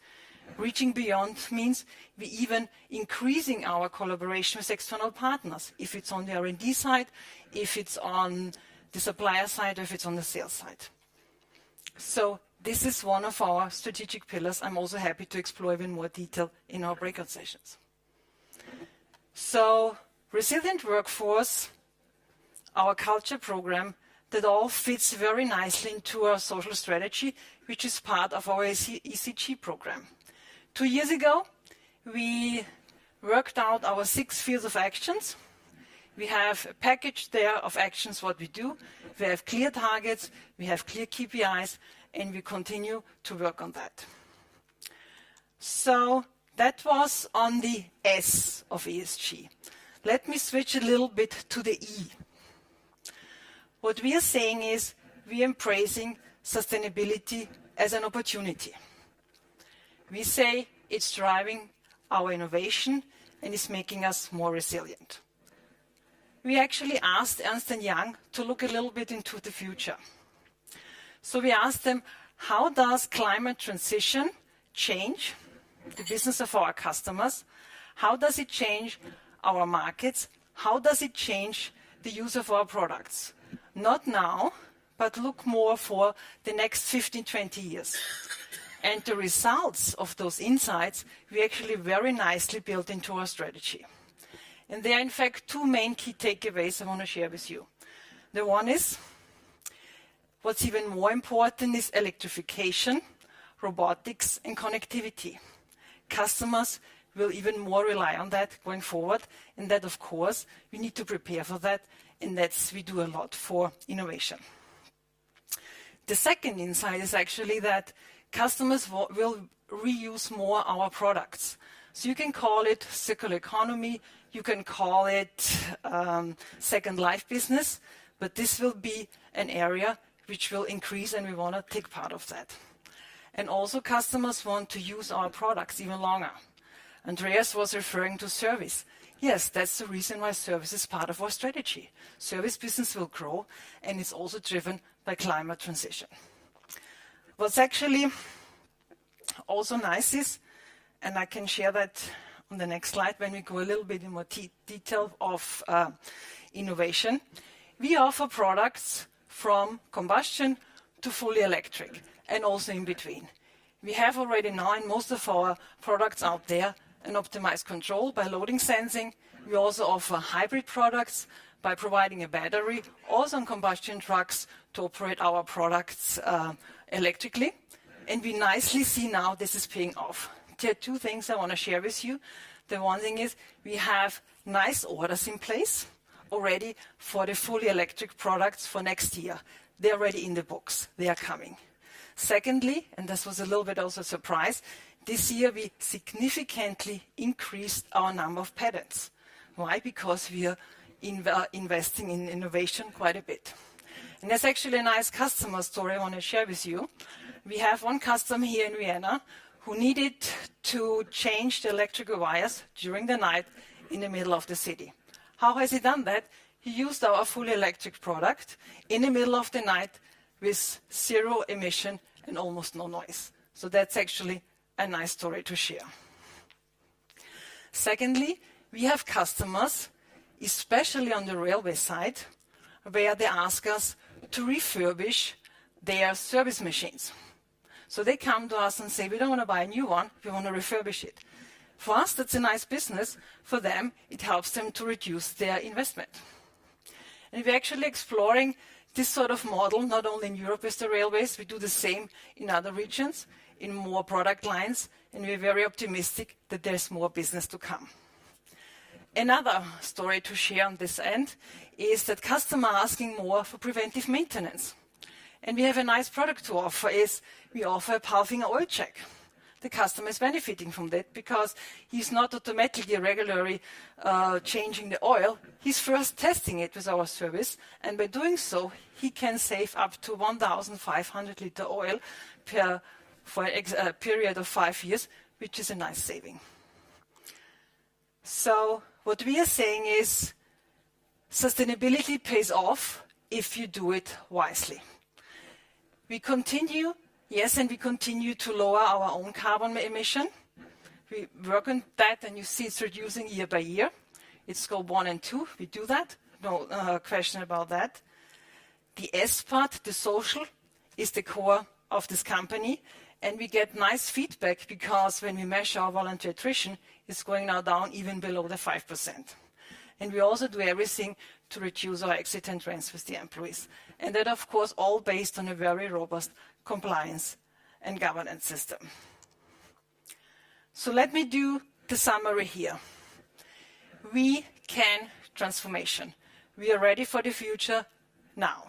Reaching beyond means we're even increasing our collaboration with external partners, if it's on the R&D side, if it's on the supplier side, or if it's on the sales side, so this is one of our strategic pillars. I'm also happy to explore even more detail in our breakout sessions, so resilient workforce, our culture program that all fits very nicely into our social strategy, which is part of our ESG program. Two years ago, we worked out our six fields of actions. We have a package there of actions, what we do. We have clear targets. We have clear KPIs, and we continue to work on that, so that was on the S of ESG. Let me switch a little bit to the E. What we are saying is we are embracing sustainability as an opportunity. We say it's driving our innovation and it's making us more resilient. We actually asked Ernst & Young to look a little bit into the future. So we asked them, how does climate transition change the business of our customers? How does it change our markets? How does it change the use of our products? Not now, but look more for the next 15, 20 years, and the results of those insights, we actually very nicely built into our strategy. And there are in fact two main key takeaways I want to share with you. The one is, what's even more important is electrification, robotics, and connectivity. Customers will even more rely on that going forward. And that, of course, we need to prepare for that. And that's we do a lot for innovation. The second insight is actually that customers will reuse more our products. So you can call it circular economy. You can call it second life business, but this will be an area which will increase and we want to take part of that. And also customers want to use our products even longer. Andreas was referring to service. Yes, that's the reason why service is part of our strategy. Service business will grow and it's also driven by climate transition. What's actually also nice is, and I can share that on the next slide when we go a little bit in more detail of innovation, we offer products from combustion to fully electric and also in between. We have already now in most of our products out there an optimized control by load sensing. We also offer hybrid products by providing a battery, also on combustion trucks to operate our products electrically. And we nicely see now this is paying off. There are two things I want to share with you. The one thing is we have nice orders in place already for the fully electric products for next year. They're already in the books. They are coming. Secondly, and this was a little bit also a surprise, this year we significantly increased our number of patents. Why? Because we are investing in innovation quite a bit. That's actually a nice customer story I want to share with you. We have one customer here in Vienna who needed to change the electrical wires during the night in the middle of the city. How has he done that? He used our fully electric product in the middle of the night with zero emission and almost no noise. That's actually a nice story to share. Secondly, we have customers, especially on the railway side, where they ask us to refurbish their service machines. So they come to us and say, "We don't want to buy a new one. We want to refurbish it." For us, that's a nice business. For them, it helps them to reduce their investment. We're actually exploring this sort of model not only in Europe with the railways. We do the same in other regions, in more product lines. We're very optimistic that there's more business to come. Another story to share on this end is that customers are asking more for preventive maintenance. We have a nice product to offer. We offer a PALFINGER Oil Check. The customer is benefiting from that because he's not automatically regularly changing the oil. He's first testing it with our service. By doing so, he can save up to 1,500 liters of oil for a period of five years, which is a nice saving. What we are saying is sustainability pays off if you do it wisely. We continue, yes, and we continue to lower our own carbon emission. We work on that and you see it's reducing year by year. It's goal one and two. We do that. No question about that. The S part, the social, is the core of this company. We get nice feedback because when we measure our voluntary attrition, it's going now down even below the 5%. We also do everything to reduce our exit and transfers to employees. That, of course, all based on a very robust compliance and governance system. Let me do the summary here. Our transformation. We are ready for the future now.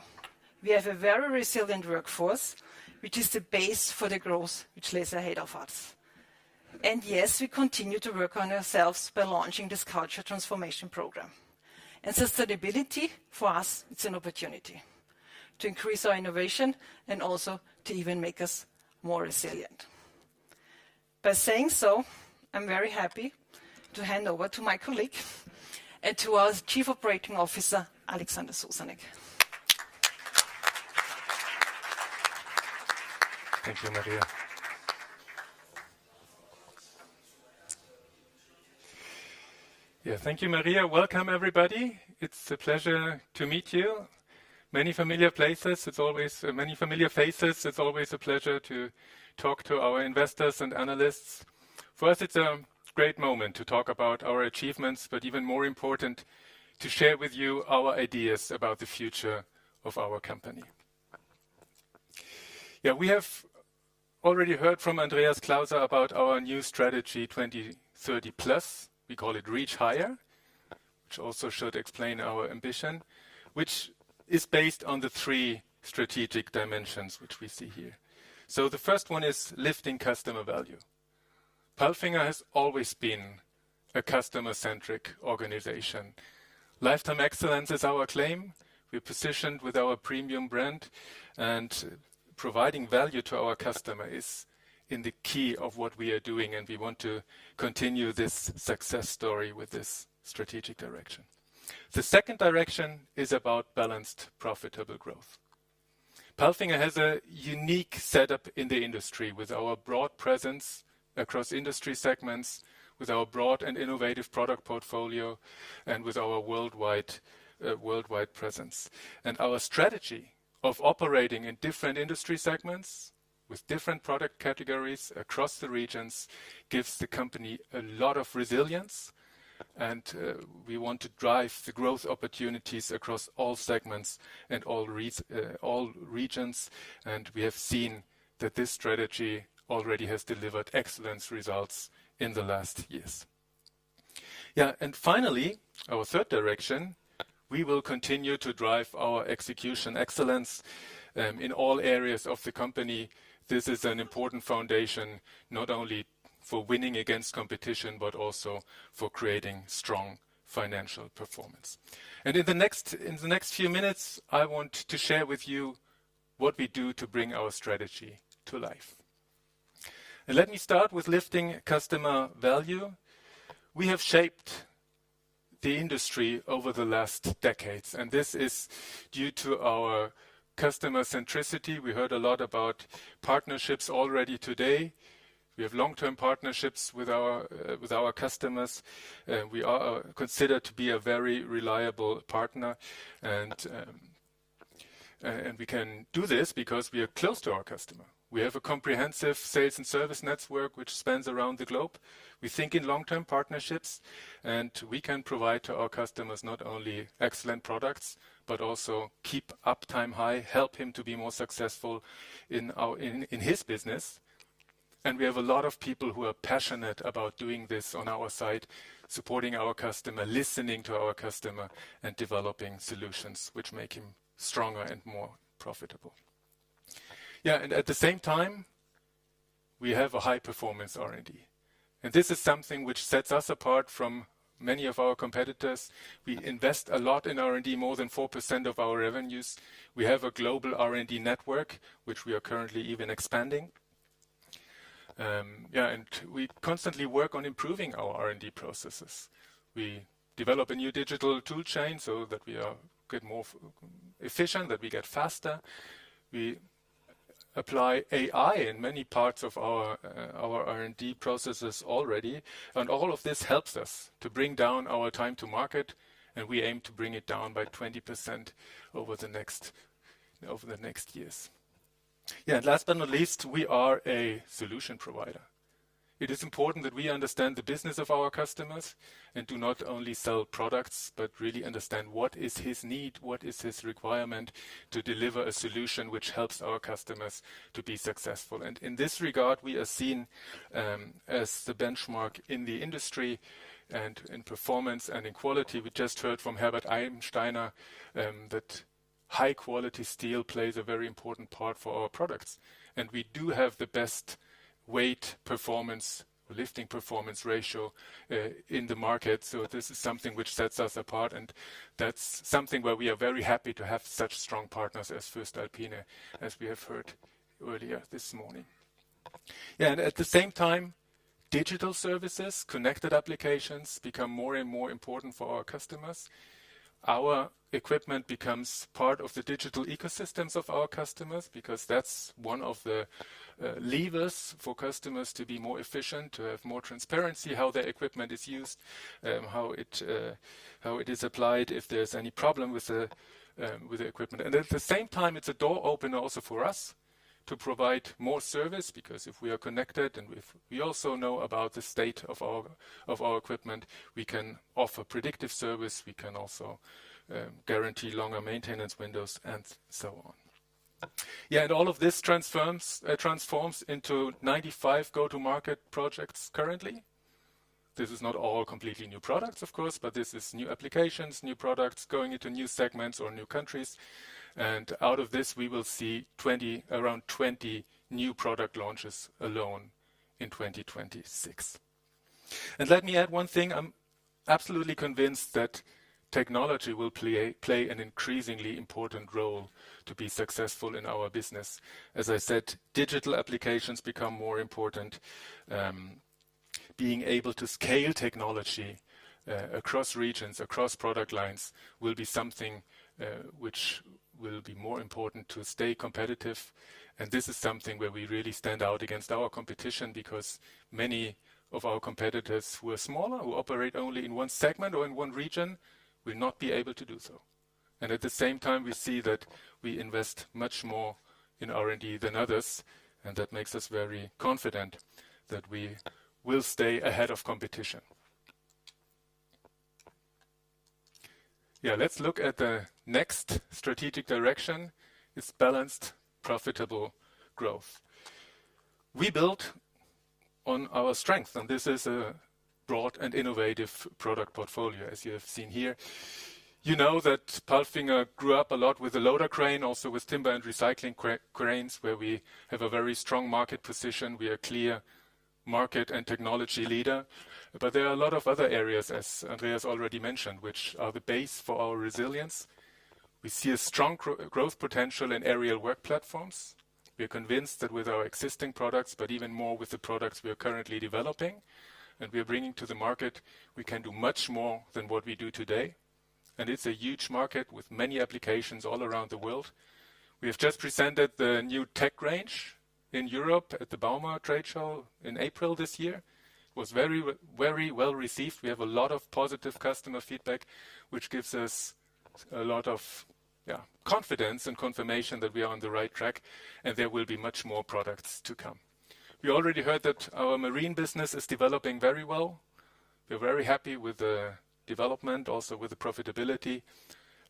We have a very resilient workforce, which is the base for the growth which lays ahead of us. Yes, we continue to work on ourselves by launching this culture transformation program. Sustainability for us, it's an opportunity to increase our innovation and also to even make us more resilient. By saying so, I'm very happy to hand over to my colleague and to our Chief Operating Officer, Alexander Susanek. Thank you, Maria. Yeah, thank you, Maria. Welcome, everybody. It's a pleasure to meet you. It's always many familiar faces. It's always a pleasure to talk to our investors and analysts. For us, it's a great moment to talk about our achievements, but even more important to share with you our ideas about the future of our company. Yeah, we have already heard from Andreas Klauser about our new strategy, 2030+. We call it Reach Higher, which also should explain our ambition, which is based on the three strategic dimensions which we see here. So the first one is lifting customer value. PALFINGER has always been a customer-centric organization. Lifetime Excellence is our claim. We're positioned with our premium brand and providing value to our customer is in the key of what we are doing. And we want to continue this success story with this strategic direction. The second direction is about balanced profitable growth. PALFINGER has a unique setup in the industry with our broad presence across industry segments, with our broad and innovative product portfolio, and with our worldwide presence, and our strategy of operating in different industry segments with different product categories across the regions gives the company a lot of resilience. And we want to drive the growth opportunities across all segments and all regions. And we have seen that this strategy already has delivered excellent results in the last years. Yeah, and finally, our third direction, we will continue to drive our execution excellence in all areas of the company. This is an important foundation not only for winning against competition, but also for creating strong financial performance, and in the next few minutes, I want to share with you what we do to bring our strategy to life. And let me start with lifting customer value. We have shaped the industry over the last decades. And this is due to our customer centricity. We heard a lot about partnerships already today. We have long-term partnerships with our customers. We are considered to be a very reliable partner. And we can do this because we are close to our customer. We have a comprehensive sales and service network which spans around the globe. We think in long-term partnerships. And we can provide to our customers not only excellent products, but also keep uptime high, help him to be more successful in his business. And we have a lot of people who are passionate about doing this on our side, supporting our customer, listening to our customer, and developing solutions which make him stronger and more profitable. Yeah, and at the same time, we have a high-performance R&D. This is something which sets us apart from many of our competitors. We invest a lot in R&D, more than 4% of our revenues. We have a global R&D network, which we are currently even expanding. Yeah, and we constantly work on improving our R&D processes. We develop a new digital toolchain so that we get more efficient, that we get faster. We apply AI in many parts of our R&D processes already. And all of this helps us to bring down our time to market. And we aim to bring it down by 20% over the next years. Yeah, and last but not least, we are a solution provider. It is important that we understand the business of our customers and do not only sell products, but really understand what is his need, what is his requirement to deliver a solution which helps our customers to be successful. In this regard, we are seen as the benchmark in the industry and in performance and in quality. We just heard from Herbert Eibensteiner that high-quality steel plays a very important part for our products. We do have the best weight performance or lifting performance ratio in the market. This is something which sets us apart. That's something where we are very happy to have such strong partners as voestalpine, as we have heard earlier this morning. Yeah, at the same time, digital services, connected applications become more and more important for our customers. Our equipment becomes part of the digital ecosystems of our customers because that's one of the levers for customers to be more efficient, to have more transparency how their equipment is used, how it is applied, if there's any problem with the equipment. At the same time, it's a door opener also for us to provide more service because if we are connected and we also know about the state of our equipment, we can offer predictive service. We can also guarantee longer maintenance windows and so on. Yeah, and all of this transforms into 95 go-to-market projects currently. This is not all completely new products, of course, but this is new applications, new products going into new segments or new countries. And out of this, we will see around 20 new product launches alone in 2026. And let me add one thing. I'm absolutely convinced that technology will play an increasingly important role to be successful in our business. As I said, digital applications become more important. Being able to scale technology across regions, across product lines will be something which will be more important to stay competitive. And this is something where we really stand out against our competition because many of our competitors who are smaller, who operate only in one segment or in one region, will not be able to do so. And at the same time, we see that we invest much more in R&D than others. And that makes us very confident that we will stay ahead of competition. Yeah, let's look at the next strategic direction. It's balanced profitable growth. We build on our strength. And this is a broad and innovative product portfolio, as you have seen here. You know that PALFINGER grew up a lot with a loader crane, also with timber and recycling cranes, where we have a very strong market position. We are a clear market and technology leader. But there are a lot of other areas, as Andreas already mentioned, which are the base for our resilience. We see a strong growth potential in aerial work platforms. We are convinced that with our existing products, but even more with the products we are currently developing and we are bringing to the market, we can do much more than what we do today, and it's a huge market with many applications all around the world. We have just presented the new TEC range in Europe at the Bauma trade show in April this year. It was very, very well received. We have a lot of positive customer feedback, which gives us a lot of, yeah, confidence and confirmation that we are on the right track, and there will be much more products to come. We already heard that our marine business is developing very well. We are very happy with the development, also with the profitability,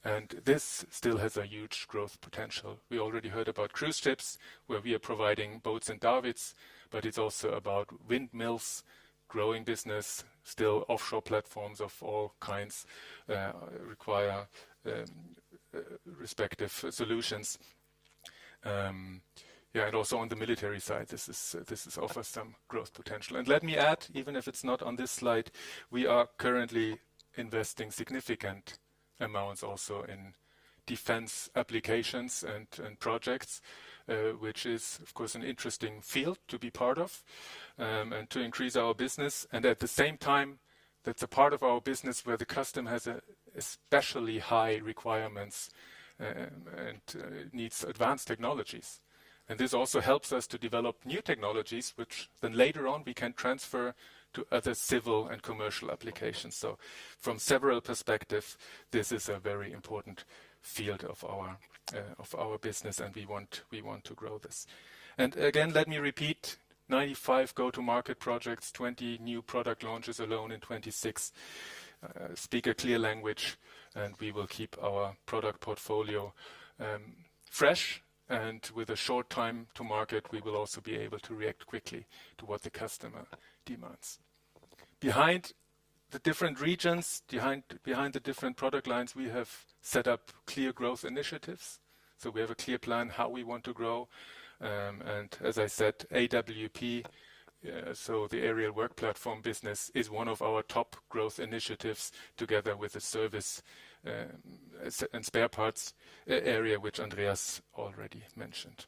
and this still has a huge growth potential. We already heard about cruise ships, where we are providing boats and davits, but it's also about windmills, growing business. Still, offshore platforms of all kinds require respective solutions. Yeah, and also on the military side, this offers some growth potential. And let me add, even if it's not on this slide, we are currently investing significant amounts also in defense applications and projects, which is, of course, an interesting field to be part of and to increase our business. And at the same time, that's a part of our business where the customer has especially high requirements and needs advanced technologies. And this also helps us to develop new technologies, which then later on we can transfer to other civil and commercial applications. So from several perspectives, this is a very important field of our business, and we want to grow this. And again, let me repeat 95 go-to-market projects, 20 new product launches alone in 2026. Speak a clear language, and we will keep our product portfolio fresh. And with a short time to market, we will also be able to react quickly to what the customer demands. Behind the different regions, behind the different product lines, we have set up clear growth initiatives. So we have a clear plan how we want to grow. And as I said, AWP, so the aerial work platform business, is one of our top growth initiatives together with the service and spare parts area, which Andreas already mentioned.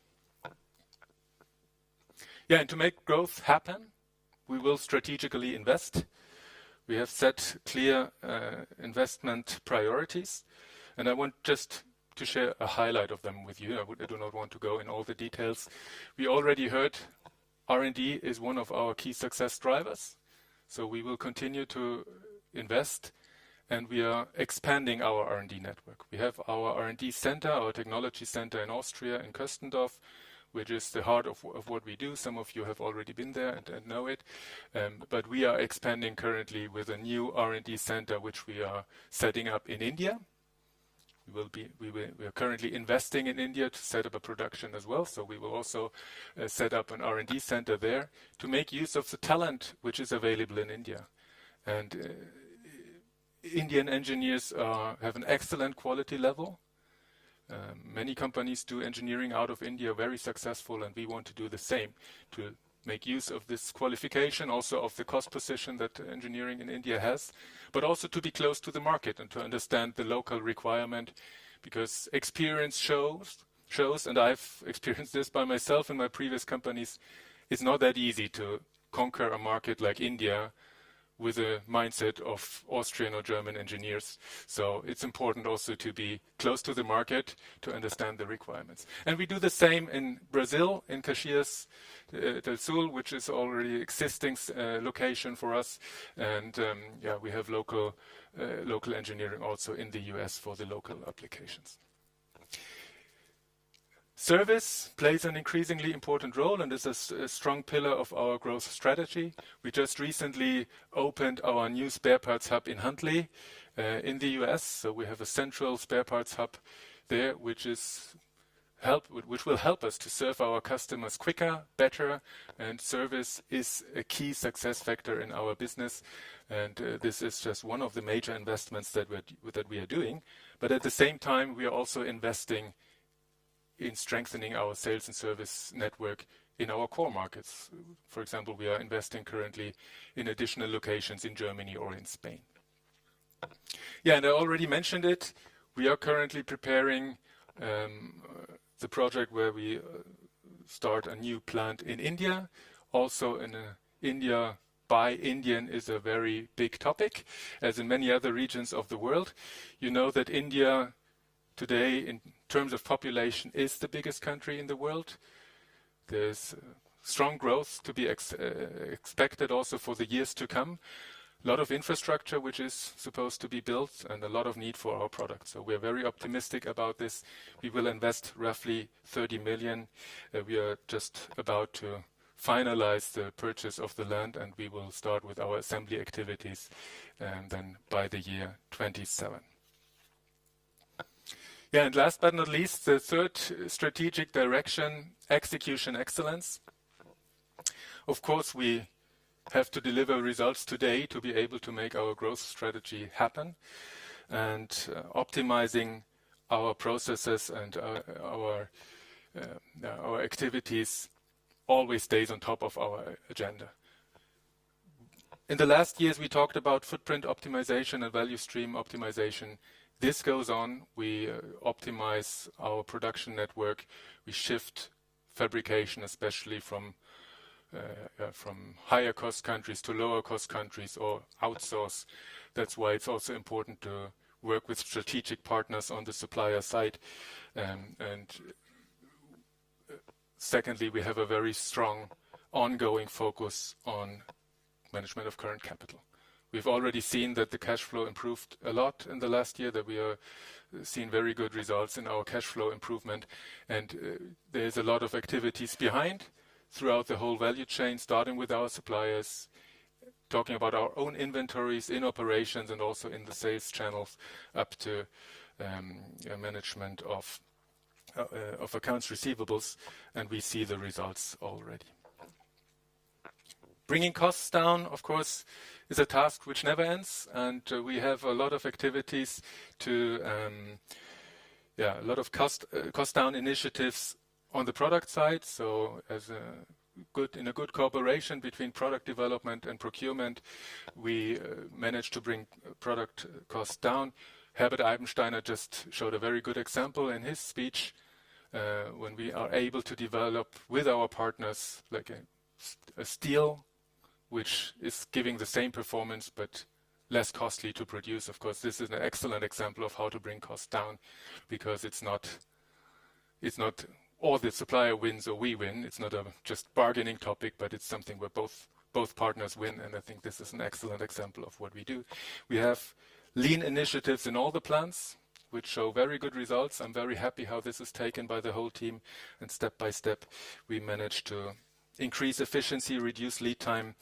Yeah, and to make growth happen, we will strategically invest. We have set clear investment priorities. And I want just to share a highlight of them with you. I do not want to go in all the details. We already heard R&D is one of our key success drivers. So we will continue to invest and we are expanding our R&D network. We have our R&D center, our technology center in Austria in Köstendorf, which is the heart of what we do. Some of you have already been there and know it, but we are expanding currently with a new R&D center, which we are setting up in India. We are currently investing in India to set up a production as well, so we will also set up an R&D center there to make use of the talent which is available in India, and Indian engineers have an excellent quality level. Many companies do engineering out of India very successful. And we want to do the same to make use of this qualification, also of the cost position that engineering in India has, but also to be close to the market and to understand the local requirement because experience shows, and I've experienced this by myself in my previous companies. It's not that easy to conquer a market like India with a mindset of Austrian or German engineers. So it's important also to be close to the market to understand the requirements. And we do the same in Brazil, in Caxias do Sul, which is already an existing location for us. And yeah, we have local engineering also in the U.S. for the local applications. Service plays an increasingly important role and is a strong pillar of our growth strategy. We just recently opened our new spare parts hub in Huntley in the U.S.. We have a central spare parts hub there, which will help us to serve our customers quicker, better. And service is a key success factor in our business. And this is just one of the major investments that we are doing. But at the same time, we are also investing in strengthening our sales and service network in our core markets. For example, we are investing currently in additional locations in Germany or in Spain. Yeah, and I already mentioned it. We are currently preparing the project where we start a new plant in India. Also in India, buy Indian is a very big topic, as in many other regions of the world. You know that India today, in terms of population, is the biggest country in the world. There's strong growth to be expected also for the years to come. A lot of infrastructure, which is supposed to be built, and a lot of need for our products. So we are very optimistic about this. We will invest roughly 30 million. We are just about to finalize the purchase of the land, and we will start with our assembly activities and then by the year 2027. Yeah, and last but not least, the third strategic direction, execution excellence. Of course, we have to deliver results today to be able to make our growth strategy happen and optimizing our processes and our activities always stays on top of our agenda. In the last years, we talked about footprint optimization and value stream optimization. This goes on. We optimize our production network. We shift fabrication, especially from higher cost countries to lower cost countries or outsource. That's why it's also important to work with strategic partners on the supplier side. And secondly, we have a very strong ongoing focus on management of current capital. We've already seen that the cash flow improved a lot in the last year, that we are seeing very good results in our cash flow improvement. And there's a lot of activities behind throughout the whole value chain, starting with our suppliers, talking about our own inventories in operations and also in the sales channels up to management of accounts receivables. And we see the results already. Bringing costs down, of course, is a task which never ends. And we have a lot of activities, a lot of cost down initiatives on the product side. So in a good cooperation between product development and procurement, we managed to bring product costs down. Herbert Eibensteiner just showed a very good example in his speech when we are able to develop with our partners like a steel, which is giving the same performance but less costly to produce. Of course, this is an excellent example of how to bring costs down because it's not all the supplier wins or we win. It's not just a bargaining topic, but it's something where both partners win, and I think this is an excellent example of what we do. We have lean initiatives in all the plants, which show very good results. I'm very happy how this is taken by the whole team, and step by step, we manage to increase efficiency, reduce lead time,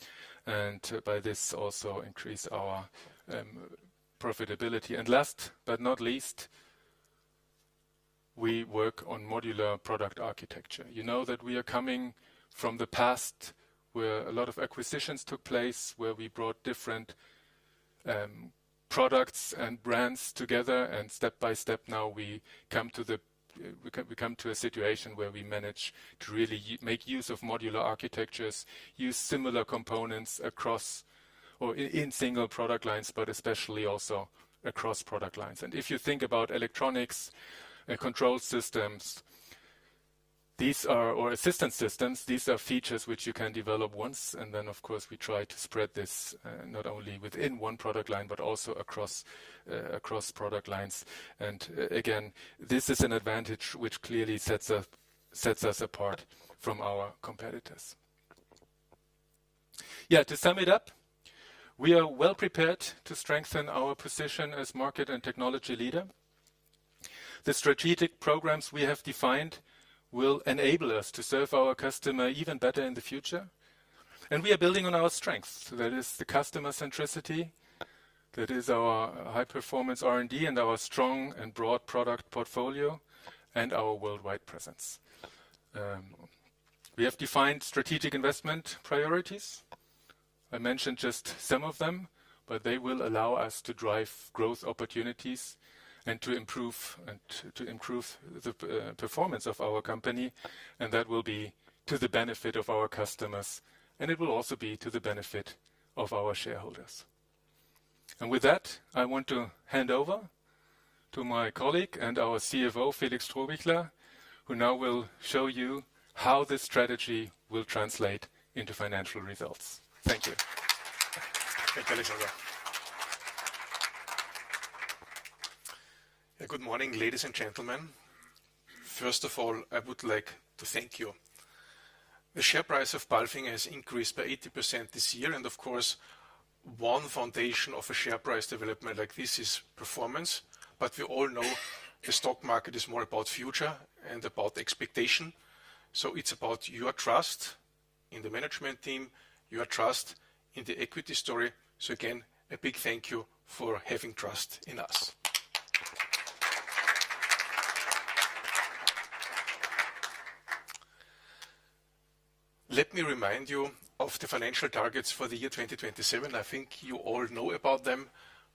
and by this also increase our profitability, and last but not least, we work on modular product architecture. You know that we are coming from the past where a lot of acquisitions took place, where we brought different products and brands together, and step by step now, we come to a situation where we manage to really make use of modular architectures, use similar components across or in single product lines, but especially also across product lines, and if you think about electronics and control systems or assistance systems, these are features which you can develop once, and then, of course, we try to spread this not only within one product line, but also across product lines, and again, this is an advantage which clearly sets us apart from our competitors. Yeah, to sum it up, we are well prepared to strengthen our position as market and technology leader. The strategic programs we have defined will enable us to serve our customer even better in the future. We are building on our strengths. That is the customer centricity, that is our high performance R&D and our strong and broad product portfolio, and our worldwide presence. We have defined strategic investment priorities. I mentioned just some of them, but they will allow us to drive growth opportunities and to improve the performance of our company. That will be to the benefit of our customers. It will also be to the benefit of our shareholders. With that, I want to hand over to my colleague and our CFO, Felix Strohbichler, who now will show you how this strategy will translate into financial results. Thank you. Thank you, Alexander. Good morning, ladies and gentlemen. First of all, I would like to thank you. The share price of PALFINGER has increased by 80% this year. Of course, one foundation of a share price development like this is performance. But we all know the stock market is more about future and about expectation. So it's about your trust in the management team, your trust in the equity story. So again, a big thank you for having trust in us. Let me remind you of the financial targets for the year 2027. I think you all know about them.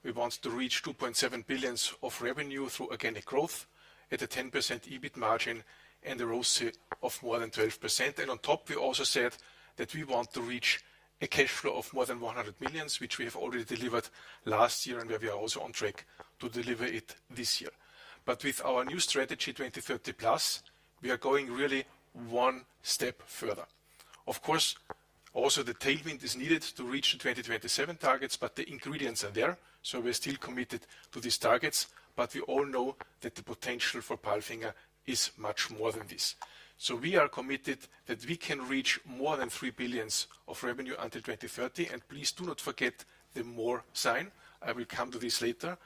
We want to reach 2.7 billion of revenue through organic growth at a 10% EBIT margin and a ROCE of more than 12%. And on top, we also said that we want to reach a cash flow of more than 100 million, which we have already delivered last year and where we are also on track to deliver it this year. But with our new Strategy 2030+, we are going really one step further. Of course, also the tailwind is needed to reach the 2027 targets, but the ingredients are there. So we're still committed to these targets, but we all know that the potential for PALFINGER is much more than this. So we are committed that we can reach more than 3 billion of revenue until 2030. And please do not forget the more sign. I will come to this later.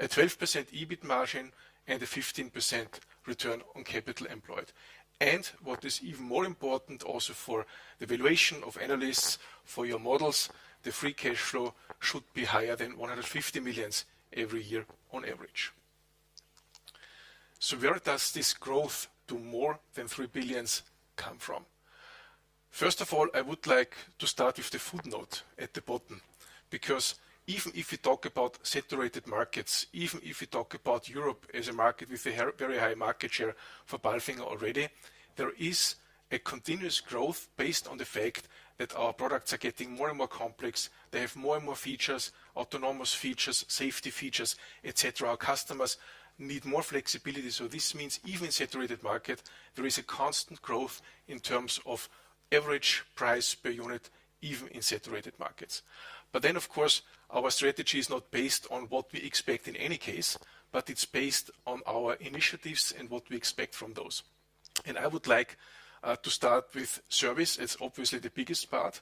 A 12% EBIT margin and a 15% return on capital employed. And what is even more important also for the valuation of analysts, for your models, the free cash flow should be higher than 150 million every year on average. So where does this growth to more than 3 billion come from? First of all, I would like to start with the footnote at the bottom because even if we talk about saturated markets, even if we talk about Europe as a market with a very high market share for PALFINGER already, there is a continuous growth based on the fact that our products are getting more and more complex. They have more and more features, autonomous features, safety features, etc. Our customers need more flexibility. So this means even in a saturated market, there is a constant growth in terms of average price per unit, even in saturated markets. But then, of course, our strategy is not based on what we expect in any case, but it's based on our initiatives and what we expect from those. And I would like to start with service. It's obviously the biggest part.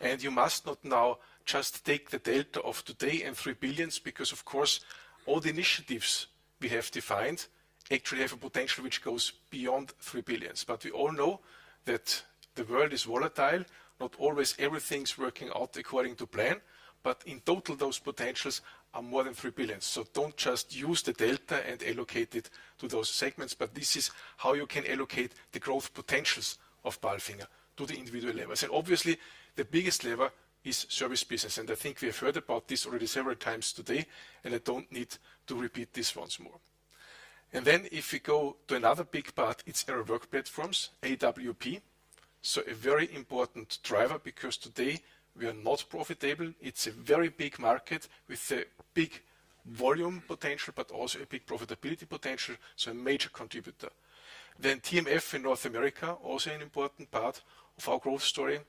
And you must not now just take the delta of today and 3 billion because, of course, all the initiatives we have defined actually have a potential which goes beyond 3 billion. But we all know that the world is volatile. Not always everything's working out according to plan, but in total, those potentials are more than 3 billion. So don't just use the delta and allocate it to those segments, but this is how you can allocate the growth potentials of PALFINGER to the individual levels. And obviously, the biggest lever is service business. And I think we have heard about this already several times today, and I don't need to repeat this once more. And then if we go to another big part, it's our work platforms, AWP. So a very important driver because today we are not profitable. It's a very big market with a big volume potential, but also a big profitability potential. So a major contributor. Then TMF in North America, also an important part of our growth story.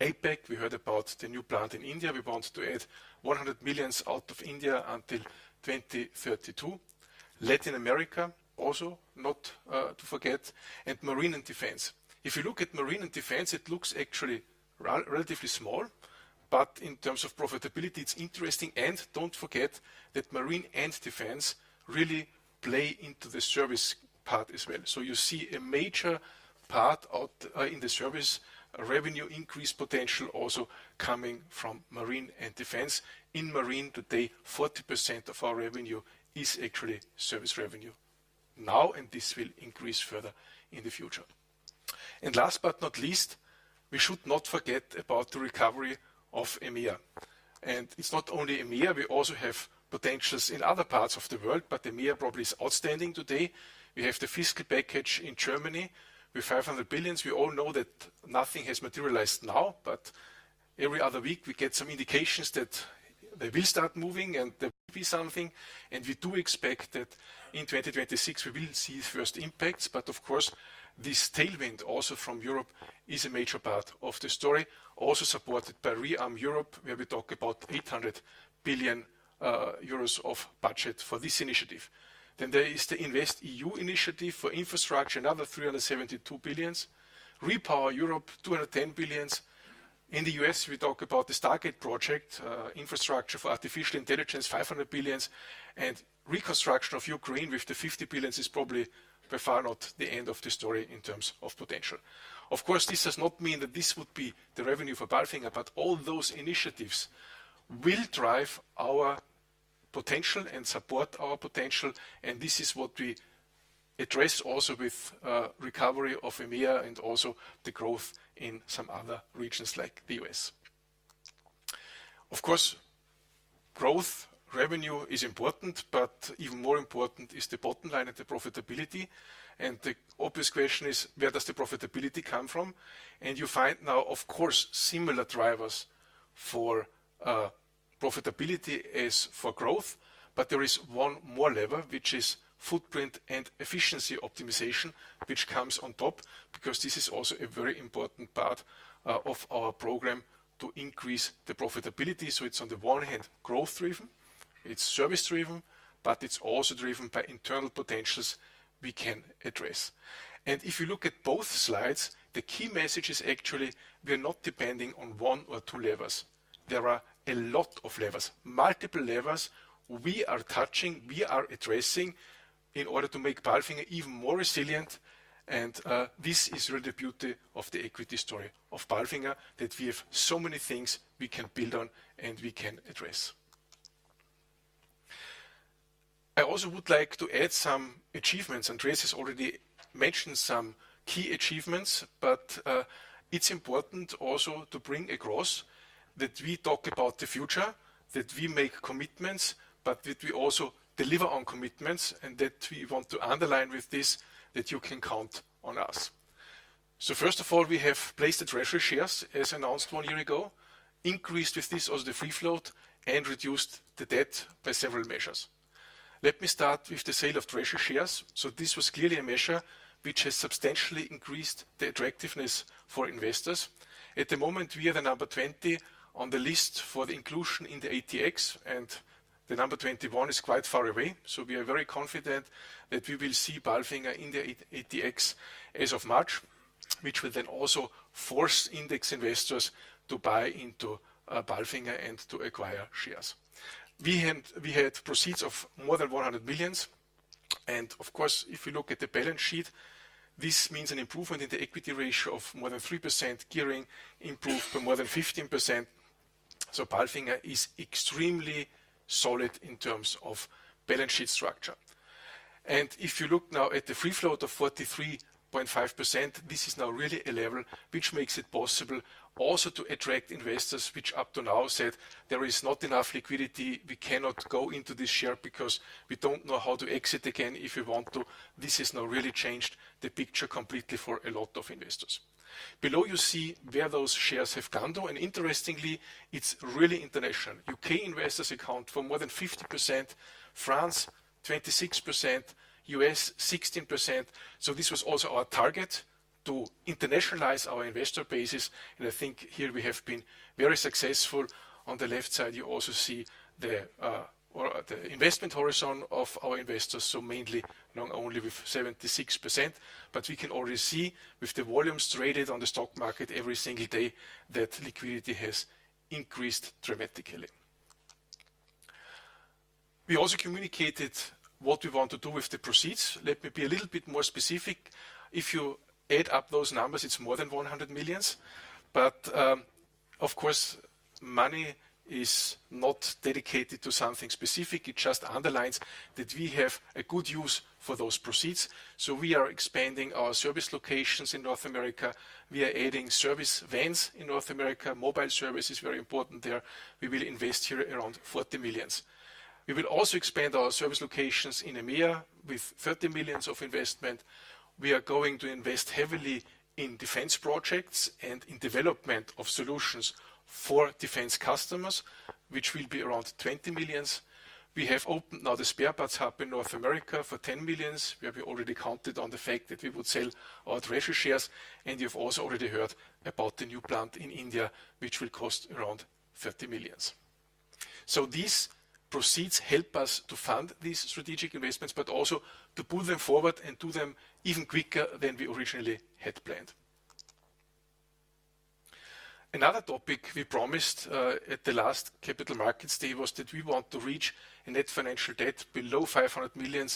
APAC, we heard about the new plant in India. We want to add 100 million out of India until 2032. Latin America, also not to forget, and marine and defense. If you look at marine and defense, it looks actually relatively small, but in terms of profitability, it's interesting. And don't forget that marine and defense really play into the service part as well. So you see a major part in the service revenue increase potential also coming from marine and defense. In marine today, 40% of our revenue is actually service revenue now, and this will increase further in the future. And last but not least, we should not forget about the recovery of EMEA. It's not only EMEA. We also have potentials in other parts of the world, but EMEA probably is outstanding today. We have the fiscal package in Germany with 500 billion. We all know that nothing has materialized now, but every other week we get some indications that they will start moving and there will be something. We do expect that in 2026, we will see first impacts. But of course, this tailwind also from Europe is a major part of the story, also supported by ReArm Europe, where we talk about 800 billion euros of budget for this initiative. Then there is the InvestEU initiative for infrastructure, another 372 billion. REPowerEU, 210 billion. In the U.S., we talk about the Stargate project, infrastructure for artificial intelligence, $500 billion. And reconstruction of Ukraine with the 50 billion is probably by far not the end of the story in terms of potential. Of course, this does not mean that this would be the revenue for PALFINGER, but all those initiatives will drive our potential and support our potential. And this is what we address also with recovery of EMEA and also the growth in some other regions like the U.S. Of course, growth revenue is important, but even more important is the bottom line and the profitability. And the obvious question is, where does the profitability come from? And you find now, of course, similar drivers for profitability as for growth, but there is one more lever, which is footprint and efficiency optimization, which comes on top because this is also a very important part of our program to increase the profitability. So it's on the one hand, growth driven. It's service driven, but it's also driven by internal potentials we can address. And if you look at both slides, the key message is actually we are not depending on one or two levers. There are a lot of levers, multiple levers we are touching, we are addressing in order to make PALFINGER even more resilient. And this is really the beauty of the equity story of PALFINGER, that we have so many things we can build on and we can address. I also would like to add some achievements. Andreas has already mentioned some key achievements, but it's important also to bring across that we talk about the future, that we make commitments, but that we also deliver on commitments. And that we want to underline with this that you can count on us. So first of all, we have placed the treasury shares as announced one year ago, increased with this as the free float and reduced the debt by several measures. Let me start with the sale of treasury shares. So this was clearly a measure which has substantially increased the attractiveness for investors. At the moment, we are the number 20 on the list for the inclusion in the ATX, and the number 21 is quite far away. So we are very confident that we will see PALFINGER in the ATX as of March, which will then also force index investors to buy into PALFINGER and to acquire shares. We had proceeds of more than 100 million. And of course, if you look at the balance sheet, this means an improvement in the equity ratio of more than 3%, gearing improved by more than 15%. PALFINGER is extremely solid in terms of balance sheet structure. If you look now at the free float of 43.5%, this is now really a level which makes it possible also to attract investors which up to now said there is not enough liquidity. We cannot go into this share because we don't know how to exit again if we want to. This has now really changed the picture completely for a lot of investors. Below you see where those shares have gone to. Interestingly, it's really international. U.K. investors account for more than 50%, France 26%, U.S. 16%. This was also our target to internationalize our investor base. I think here we have been very successful. On the left side, you also see the investment horizon of our investors. So mainly not only with 76%, but we can already see with the volumes traded on the stock market every single day that liquidity has increased dramatically. We also communicated what we want to do with the proceeds. Let me be a little bit more specific. If you add up those numbers, it's more than 100 million. But of course, money is not dedicated to something specific. It just underlines that we have a good use for those proceeds. So we are expanding our service locations in North America. We are adding service vans in North America. Mobile service is very important there. We will invest here around 40 million. We will also expand our service locations in EMEA with 30 million of investment. We are going to invest heavily in defense projects and in development of solutions for defense customers, which will be around 20 million. We have opened now the spare parts hub in North America for 10 million, where we already counted on the fact that we would sell our treasury shares. And you have also already heard about the new plant in India, which will cost around 30 million. So these proceeds help us to fund these strategic investments, but also to pull them forward and do them even quicker than we originally had planned. Another topic we promised at the last Capital Markets Day was that we want to reach a net financial debt below 500 million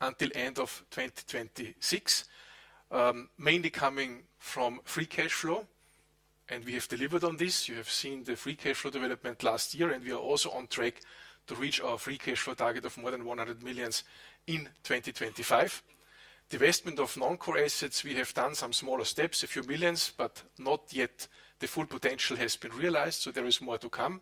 until the end of 2026, mainly coming from free cash flow. And we have delivered on this. You have seen the free cash flow development last year, and we are also on track to reach our free cash flow target of more than 100 million in 2025. Divestment of non-core assets: we have done some smaller steps, a few millions, but not yet the full potential has been realized, so there is more to come,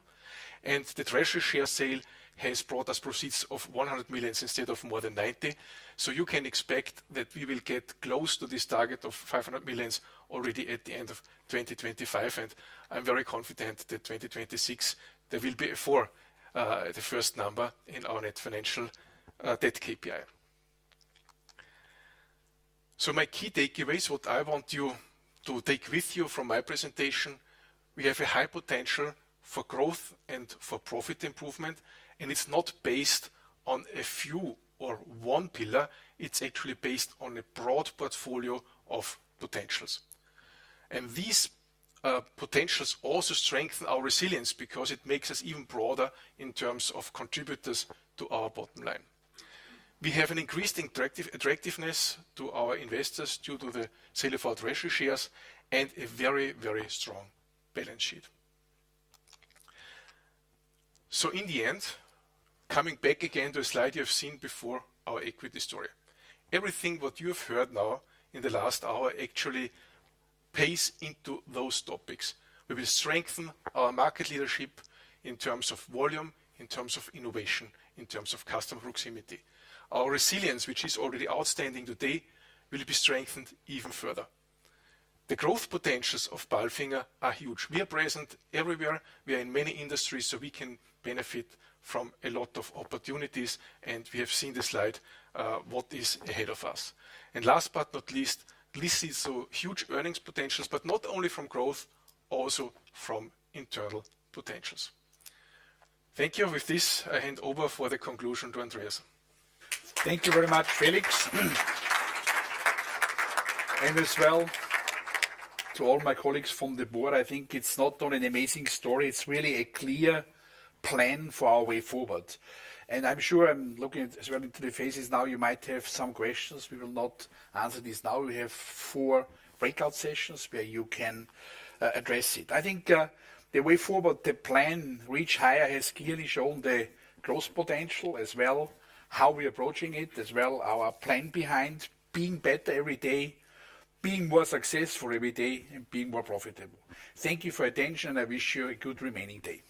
and the treasury share sale has brought us proceeds of 100 million instead of more than 90 million, so you can expect that we will get close to this target of 500 million already at the end of 2025, and I'm very confident that 2026, there will be a four, the first number in our net financial debt KPI, so my key takeaways, what I want you to take with you from my presentation, we have a high potential for growth and for profit improvement, and it's not based on a few or one pillar. It's actually based on a broad portfolio of potentials. And these potentials also strengthen our resilience because it makes us even broader in terms of contributors to our bottom line. We have an increased attractiveness to our investors due to the sale of our treasury shares and a very, very strong balance sheet. So in the end, coming back again to a slide you have seen before our equity story, everything what you have heard now in the last hour actually pays into those topics. We will strengthen our market leadership in terms of volume, in terms of innovation, in terms of customer proximity. Our resilience, which is already outstanding today, will be strengthened even further. The growth potentials of PALFINGER are huge. We are present everywhere. We are in many industries, so we can benefit from a lot of opportunities. And we have seen the slide, what is ahead of us. And last but not least, this is a huge earnings potential, but not only from growth, also from internal potentials. Thank you. With this, I hand over for the conclusion to Andreas. Thank you very much, Felix. And as well to all my colleagues from the board, I think it's not only an amazing story, it's really a clear plan for our way forward. And I'm sure I'm looking as well into the faces now. You might have some questions. We will not answer this now. We have four breakout sessions where you can address it. I think the way forward, the plan, Reach Higher has clearly shown the growth potential as well, how we are approaching it, as well our plan behind being better every day, being more successful every day, and being more profitable. Thank you for your attention, and I wish you a good remaining day.